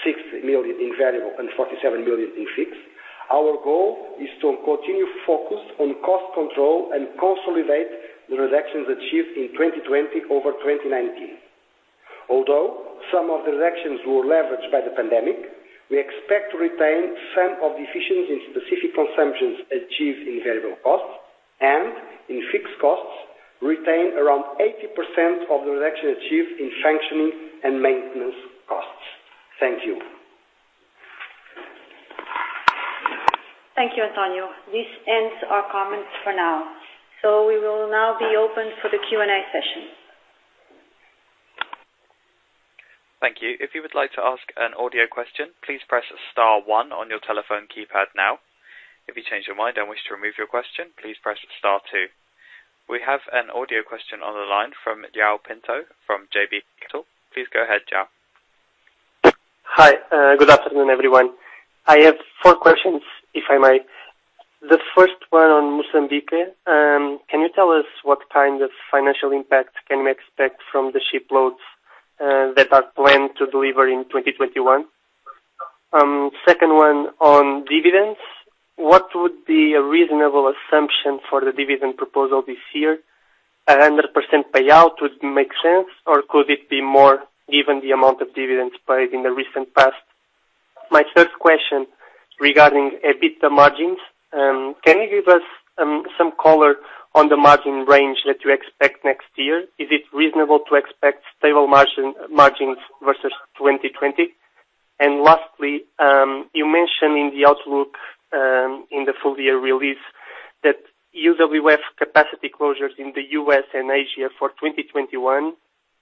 6 million in variable and 47 million in fixed, our goal is to continue focus on cost control and consolidate the reductions achieved in 2020 over 2019. Although some of the reductions were leveraged by the pandemic, we expect to retain some of the efficiency in specific consumptions achieved in variable costs, and in fixed costs, retain around 80% of the reduction achieved in functioning and maintenance costs. Thank you. Thank you, António. This ends our comments for now. We will now be open for the Q&A session. Thank you. If you would like to ask an audio question, please press star one on your telephone keypad now. If you change your mind and wish to remove your question, please press star two. We have an audio question on the line from João Pinto from JB Capital Markets. Please go ahead, João. Hi. Good afternoon, everyone. I have four questions, if I may. The first one on Mozambique. Can you tell us what kind of financial impact can we expect from the shiploads that are planned to deliver in 2021? The second one on dividends. What would be a reasonable assumption for the dividend proposal this year? 100% payout would make sense, or could it be more given the amount of dividends paid in the recent past? My third question regarding a bit, the margins. Can you give us some color on the margin range that you expect next year? Is it reasonable to expect stable margins versus 2020? Lastly, you mentioned in the outlook in the full year release that UWF capacity closures in the U.S. and Asia for 2021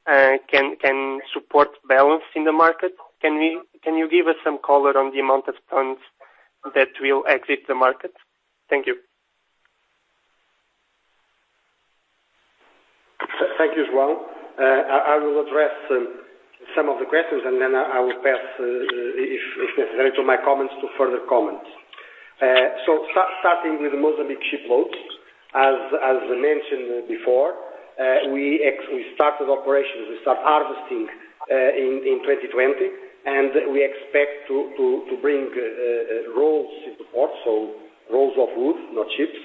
can support balance in the market. Can you give us some color on the amount of tons that will exit the market? Thank you. Thank you, João. I will address some of the questions and then I will pass, if necessary, to my comments to further comments. Starting with the Mozambique shiploads, as mentioned before, we started operations, we start harvesting in 2020, and we expect to bring rolls into port, so rolls of wood, not ships,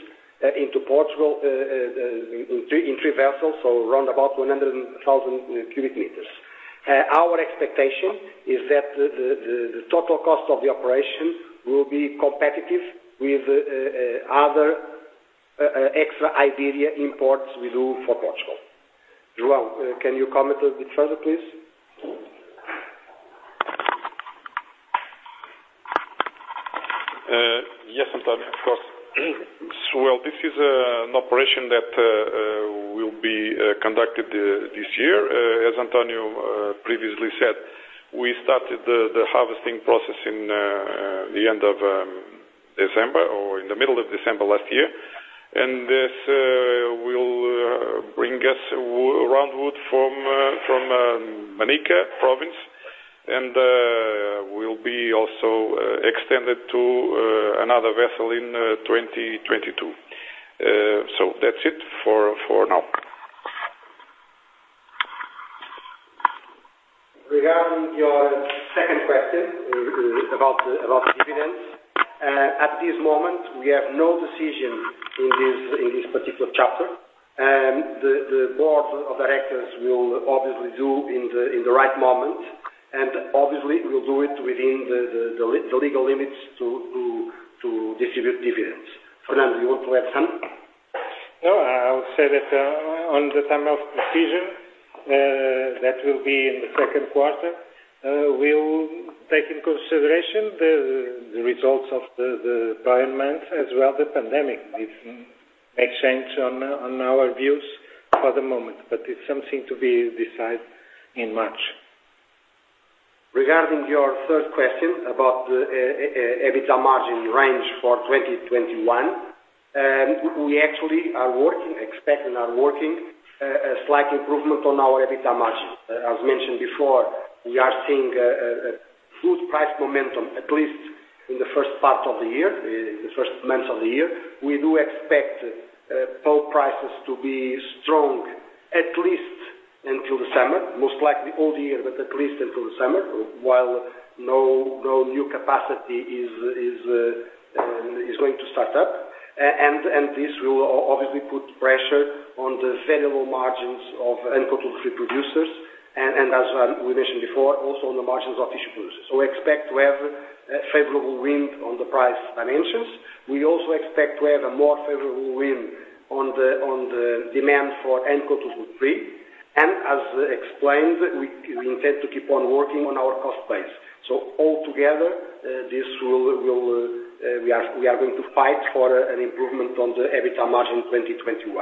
into Portugal in three vessels, so around about 100,000 cubic meters. Our expectation is that the total cost of the operation will be competitive with other extra high-density imports we do for Portugal. João, can you comment a bit further, please? Yes, António, of course. Well, this is an operation that will be conducted this year. As António previously said, we started the harvesting process in the end of December or in the middle of December last year. This will bring us round wood from Manica province, and will be also extended to another vessel in 2022. That's it for now. Regarding your second question about the dividends. At this moment, we have no decision in this particular chapter. The board of directors will obviously do in the right moment, and obviously will do it within the legal limits to distribute dividends. Fernando, you want to add something? I would say that on the time of decision that will be in the second quarter we'll take in consideration the results of the environment as well the pandemic. This makes sense on our views for the moment, but it's something to be decided in March. Regarding your third question about the EBITDA margin range for 2021. We actually are expecting a slight improvement on our EBITDA margin. As mentioned before, we are seeing a good price momentum, at least in the first part of the year, in the first months of the year. We do expect pulp prices to be strong at least until the summer, most likely all year, but at least until the summer, while no new capacity is going to start up. This will obviously put pressure on the variable margins of uncoated woodfree producers and as we mentioned before, also on the margins of tissue producers. We expect to have a favorable wind on the price dimensions. We also expect to have a more favorable wind on the demand for uncoated woodfree, and as explained, we intend to keep on working on our cost base. Altogether, we are going to fight for an improvement on the EBITDA margin 2021.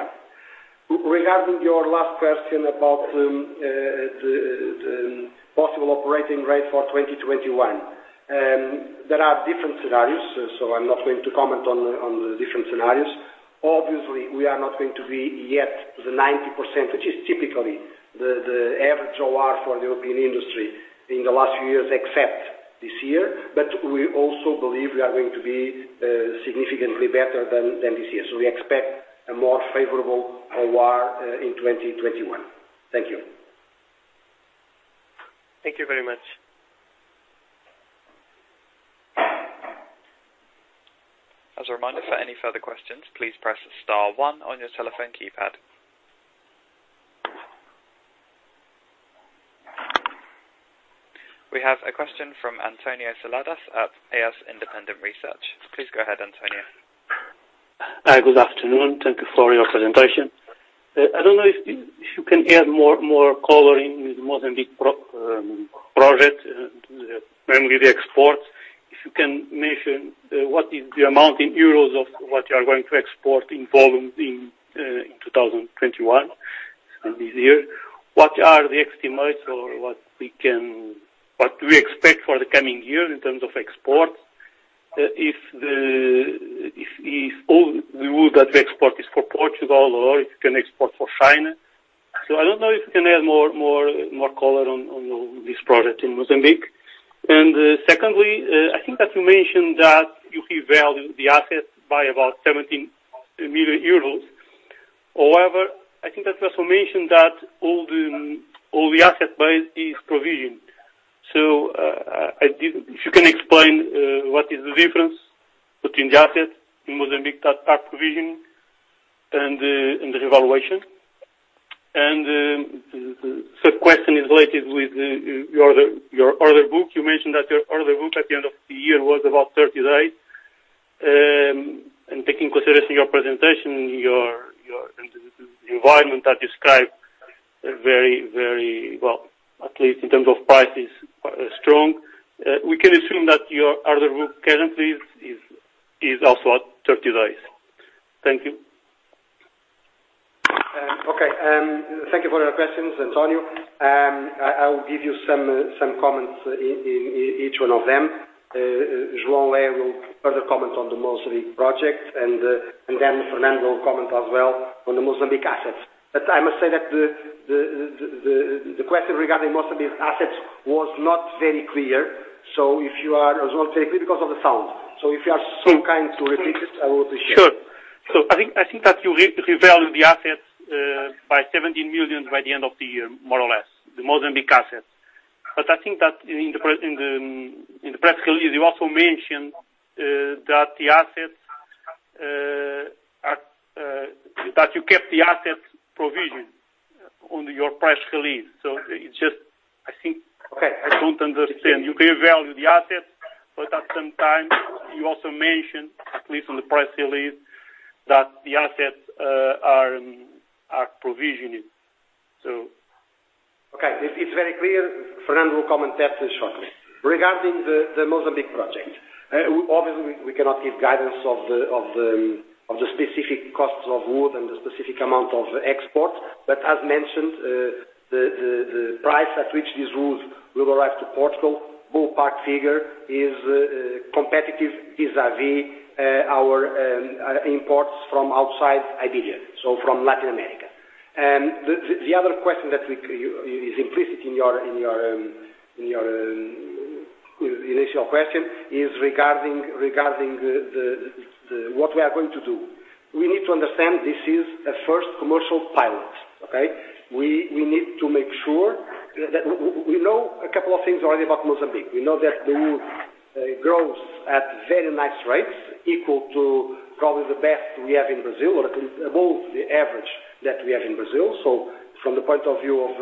Regarding your last question about the possible operating rate for 2021. There are different scenarios, so I'm not going to comment on the different scenarios. Obviously, we are not going to be yet the 90%, which is typically the average OR for the European industry in the last few years except this year. We also believe we are going to be significantly better than this year. We expect a more favorable OR in 2021. Thank you. Thank you very much. As a reminder, for any further questions, please press star one on your telephone keypad. We have a question from António Seladas at AS Independent Research. Please go ahead, António. Hi. Good afternoon. Thank you for your presentation. I don't know if you can add more color in Mozambique project, mainly the exports. If you can mention what is the amount in euros of what you are going to export in volume in 2021, in this year. What are the estimates or what we expect for the coming year in terms of exports? If all the wood that we export is for Portugal or if you can export for China. I don't know if you can add more color on this project in Mozambique. Secondly, I think that you mentioned that you revalue the asset by about 17 million euros. However, I think that you also mentioned that all the asset base is provisioned. If you can explain what is the difference between the asset in Mozambique that are provisioned and the revaluation. The third question is related with your order book. You mentioned that your order book at the end of the year was about 30 days. Taking consideration your presentation, your environment are described very, well, at least in terms of prices, strong. We can assume that your order book currently is also at 30 days. Thank you. Thank you for your questions, António. I will give you some comments in each one of them. João will further comment on the Mozambique project, and then Fernando will comment as well on the Mozambique assets. I must say that the question regarding Mozambique assets was not very clear because of the sound. If you are so kind to repeat it, I will be sure. Sure. I think that you revalue the asset by 17 million by the end of the year, more or less, the Mozambique asset. I think that in the press release, you also mentioned that you kept the asset provision on your press release. Okay. I don't understand. At the same time, you also mentioned, at least in the press release, that the assets are provisioned. It's very clear. Fernando will comment that shortly. Regarding the Mozambique project, obviously, we cannot give guidance of the specific costs of wood and the specific amount of export. As mentioned, the price at which these woods will arrive to Portugal, ballpark figure is competitive vis-a-vis our imports from outside Iberia, so from Latin America. The other question that is implicit in your initial question is regarding what we are going to do. We need to understand this is a first commercial pilot. We need to make sure that we know a couple of things already about Mozambique. We know that the wood grows at very nice rates, equal to probably the best we have in Brazil, or above the average that we have in Brazil. From the point of view of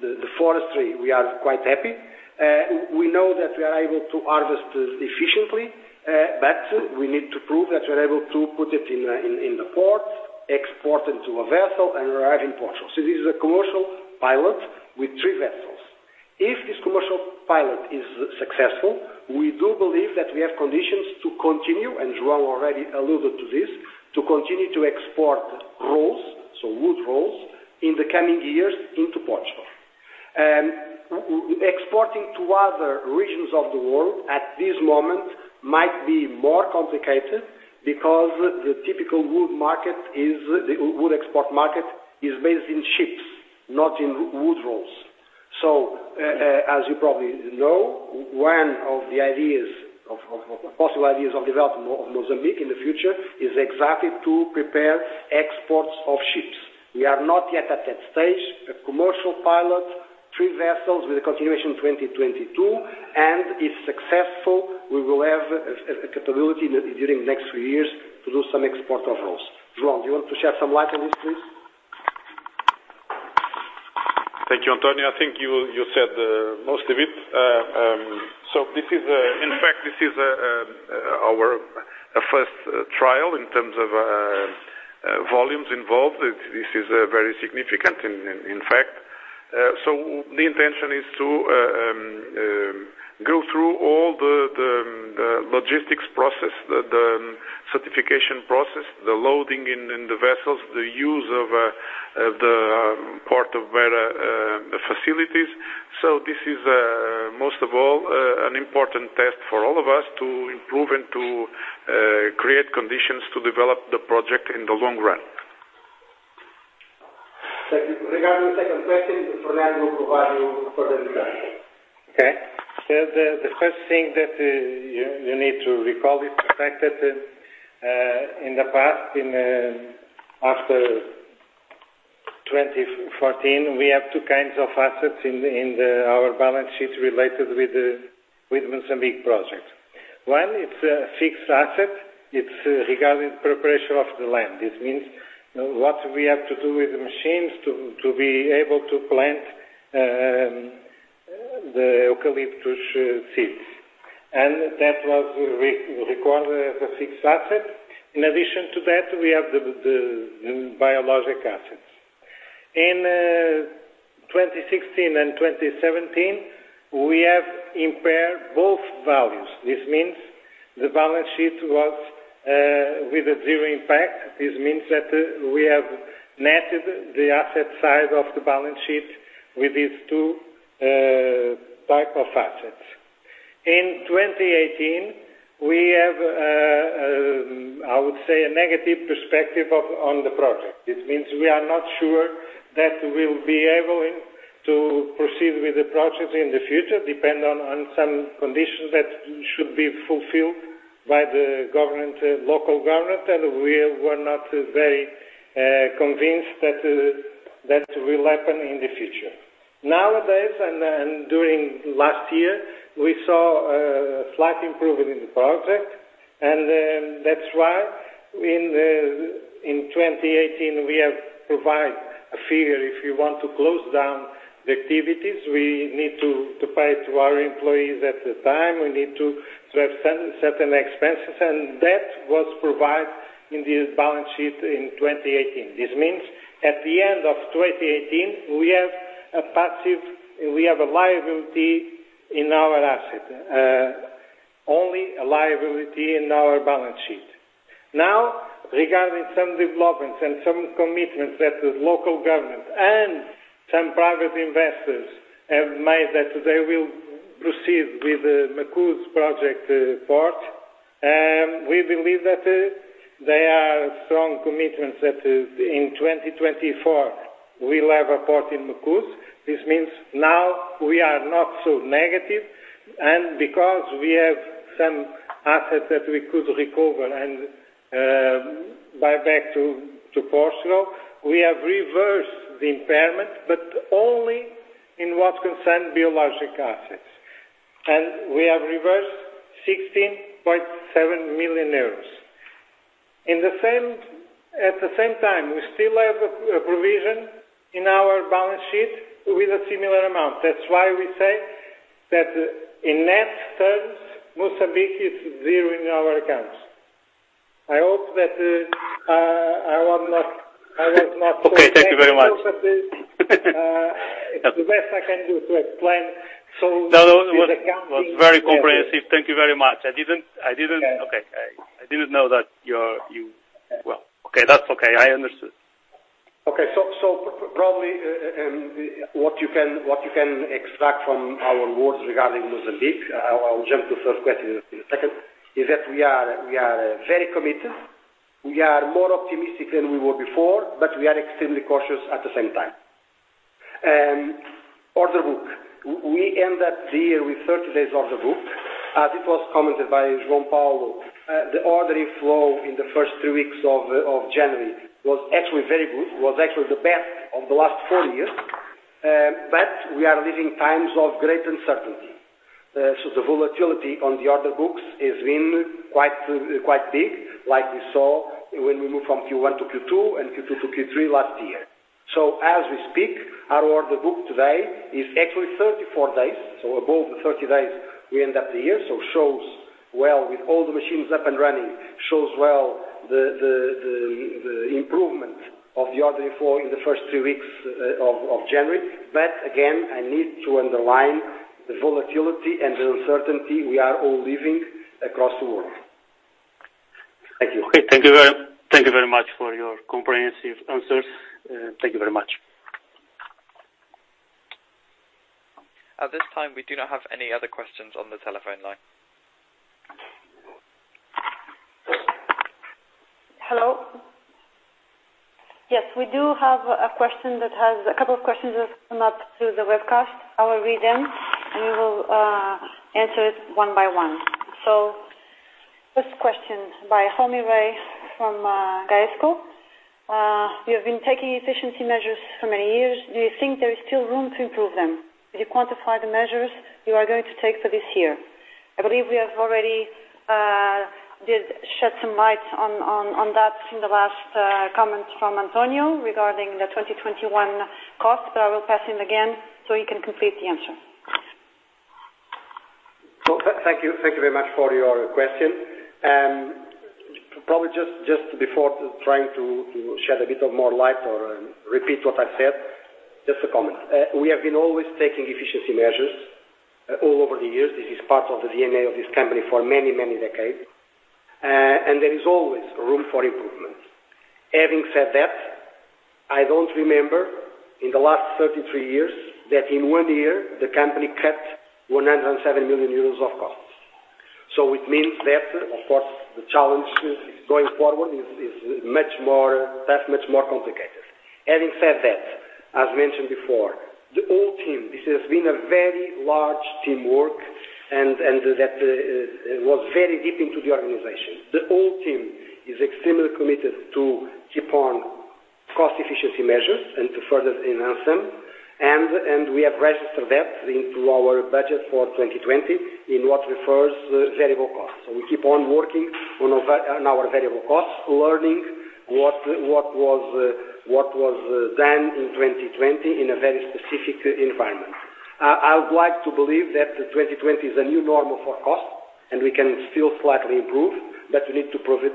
the forestry, we are quite happy. We know that we are able to harvest efficiently, but we need to prove that we are able to put it in the port, export into a vessel, and arrive in Portugal. This is a commercial pilot with three vessels. If this commercial pilot is successful, we do believe that we have conditions to continue, and João already alluded to this, to continue to export rolls, so wood rolls, in the coming years into Portugal. Exporting to other regions of the world at this moment might be more complicated because the typical wood export market is based in chips, not in wood rolls. We are not yet at that stage. A commercial pilot, three vessels with a continuation 2022, and if successful, we will have a capability during the next few years to do some export of rolls. João, do you want to shed some light on this, please? Thank you, António. I think you said most of it. In fact, this is our first trial in terms of volumes involved. This is very significant, in fact. The intention is to go through all the logistics process, the certification process, the loading in the vessels, the use of the port of Beira facilities. This is, most of all, an important test for all of us to improve and to create conditions to develop the project in the long run. Regarding the second question, Fernando will provide you further details. Okay. The first thing that you need to recall is the fact that in the past, after 2014, we have two kinds of assets in our balance sheet related with the Mozambique project. One, it's a fixed asset. It's regarding preparation of the land. This means what we have to do with the machines to be able to plant the eucalyptus seeds. That was recorded as a fixed asset. In addition to that, we have the biologic assets. In 2016 and 2017, we have impaired both values. This means the balance sheet was with a zero impact. This means that we have netted the asset side of the balance sheet with these two type of assets. In 2018, we have, I would say, a negative perspective on the project. This means we are not sure that we'll be able to proceed with the project in the future, depend on some conditions that should be fulfilled by the local government, and we were not very convinced that will happen in the future. Nowadays, and during last year, we saw a slight improvement in the project, and that's why in 2018, we have provide a figure. If you want to close down the activities, we need to pay to our employees at the time, we need to have certain expenses, and that was provided in the balance sheet in 2018. This means at the end of 2018, we have a passive, we have a liability in our asset, only a liability in our balance sheet. Regarding some developments and some commitments that the local government and some private investors have made that they will proceed with the Nacala project port. We believe that there are strong commitments that in 2024 we will. [inaudible] This means now, we are not negative, and because we have some assets that we could recover and buy back to Portugal, we have reversed the impairment, but only in what concerns biological assets. We have reversed 16.7 million euros. At the same time, we still have a provision in our balance sheet with a similar amount. That is why we say that in net terms, Mozambique is zero in our accounts. I hope that I... Okay, thank you very much. It's the best I can do to explain. No, it was very comprehensive. Thank you very much. I didn't know that you, well, okay, that's okay, I understood. Okay. Probably, what you can extract from our words regarding Mozambique, I'll jump to the first question in a second, is that we are very committed. We are more optimistic than we were before, we are extremely cautious at the same time. Order book. We end that year with 30 days order book. As it was commented by João Paulo, the order inflow in the first two weeks of January was actually very good, was actually the best of the last four years. We are living times of great uncertainty. The volatility on the order books has been quite big, like we saw when we moved from Q1 to Q2 and Q2 to Q3 last year. As we speak, our order book today is actually 34 days. Above the 30 days, we end up the year. Shows well with all the machines up and running, shows well the improvement of the order flow in the first two weeks of January. Again, I need to underline the volatility and the uncertainty we are all living across the world. Thank you. Thank you very much for your comprehensive answers. Thank you very much. At this time, we do not have any other questions on the telephone line. Hello. Yes, we do have a couple of questions that have come up through the webcast. I will read them, we will answer it one by one. First question by [Homi Bhey] from Gaesco: You have been taking efficiency measures for many years. Do you think there is still room to improve them? Do you quantify the measures you are going to take for this year? I believe we already did shed some light on that in the last comments from António regarding the 2021 cost, I will pass him again so he can complete the answer. Thank you very much for your question. Probably just before trying to shed a bit of more light or repeat what I said, just a comment. We have been always taking efficiency measures all over the years. This is part of the DNA of this company for many, many decades. There is always room for improvement. Having said that, I don't remember in the last 33 years that in one year the company cut 107 million euros of costs. So it means that, of course, the challenge going forward is much more complicated. Having said that, as mentioned before, the whole team, this has been a very large teamwork, and that was very deep into the organization. The whole team is extremely committed to keep on cost efficiency measures and to further enhance them. We have registered that into our budget for 2021 in what refers to variable costs. We keep on working on our variable costs, learning what was done in 2020 in a very specific environment. I would like to believe that 2020 is a new normal for cost, and we can still slightly improve, but we need to prove it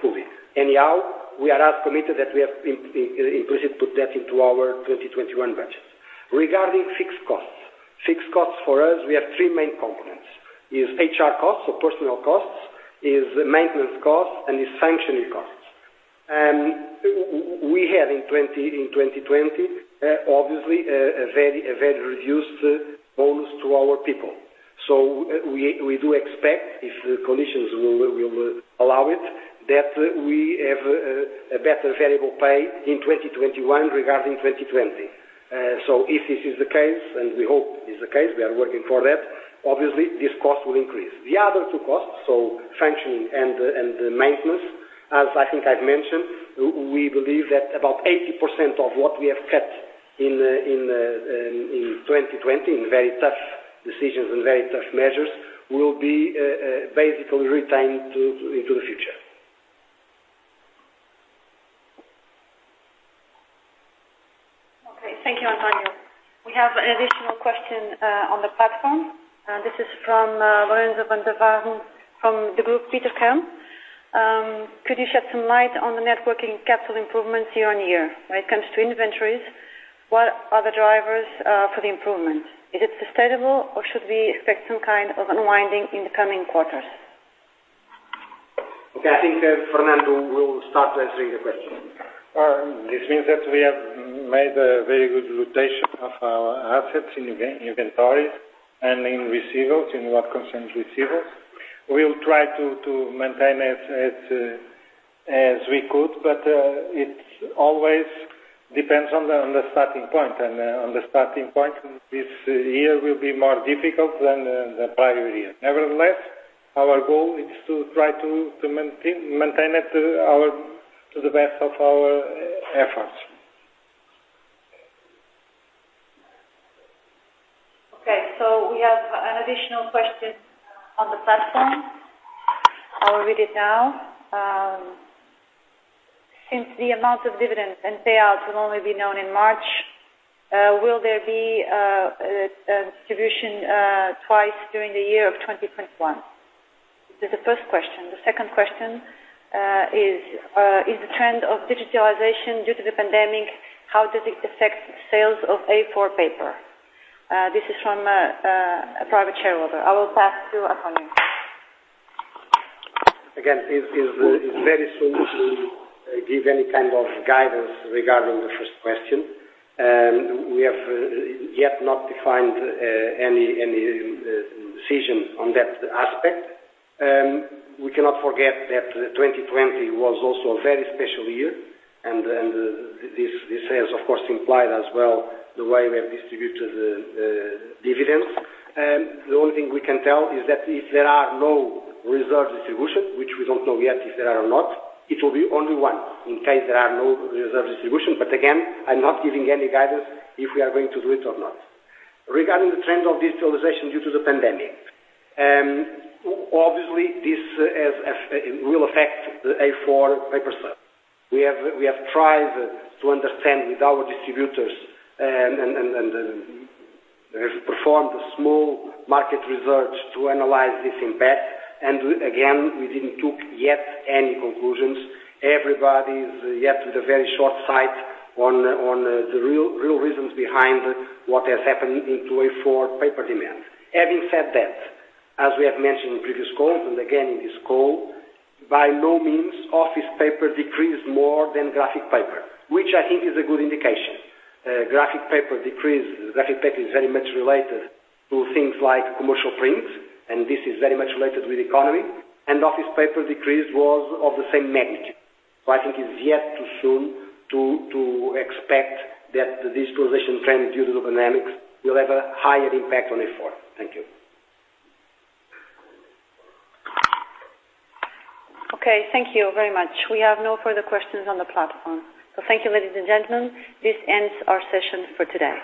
fully. Anyhow, we are as committed that we have implicit put that into our 2021 budget. Regarding fixed costs. Fixed costs for us, we have three main components. Is HR costs or personal costs, is maintenance costs, and is functioning costs. We had in 2020, obviously, a very reduced bonus to our people. We do expect if conditions will allow it, that we have a better variable pay in 2021 regarding 2020. If this is the case, and we hope is the case, we are working for that, obviously this cost will increase. The other two costs, so functioning and the maintenance, as I think I've mentioned, we believe that about 80% of what we have cut in 2020 in very tough decisions and very tough measures, will be basically retained into the future. Okay. Thank you, António. We have an additional question on the platform. This is from Lorenzo van der Vaeren from Degroof Petercam: Could you shed some light on the net working capital improvements year-on-year when it comes to inventories? What are the drivers for the improvement? Is it sustainable, or should we expect some kind of unwinding in the coming quarters? Okay. I think Fernando will start answering the question. This means that we have made a very good rotation of our assets in inventory and in receivables, in what concerns receivables. We will try to maintain it as we could, but it always depends on the starting point. On the starting point, this year will be more difficult than the prior year. Nevertheless, our goal is to try to maintain it to the best of our efforts. Okay. So, we have an additional question on the platform. I will read it now. Since the amount of dividends and payouts will only be known in March, will there be a distribution twice during the year of 2021? This is the first question. The second question is the trend of digitalization due to the pandemic, how does it affect sales of A4 paper? This is from a private shareholder. I will pass to António. Again, it's very soon to give any kind of guidance regarding the first question. We have yet not defined any decisions on that aspect. We cannot forget that 2020 was also a very special year, and this has, of course, implied as well the way we have distributed the dividends. The only thing we can tell is that if there are no reserve distributions, which we don't know yet if there are or not, it will be only once in case there are no reserve distributions. Again, I'm not giving any guidance if we are going to do it or not. Regarding the trend of digitalization due to the pandemic, obviously, this will affect the A4 paper sales. We have tried to understand with our distributors, and have performed a small market research to analyze this impact. Again, we didn't take yet any conclusions. Everybody is yet with a very short sight on the real reasons behind what has happened in A4 paper demand. Having said that, as we have mentioned in previous calls, and again in this call, by no means office paper decreased more than graphic paper, which I think is a good indication. Graphic paper is very much related to things like commercial prints, and this is very much related with economy, and office paper decrease was of the same magnitude. I think it's yet too soon to expect that the digitalization trend due to the pandemic will have a higher impact on A4. Thank you. Okay, thank you very much. We have no further questions on the platform. Thank you, ladies and gentlemen. This ends our session for today.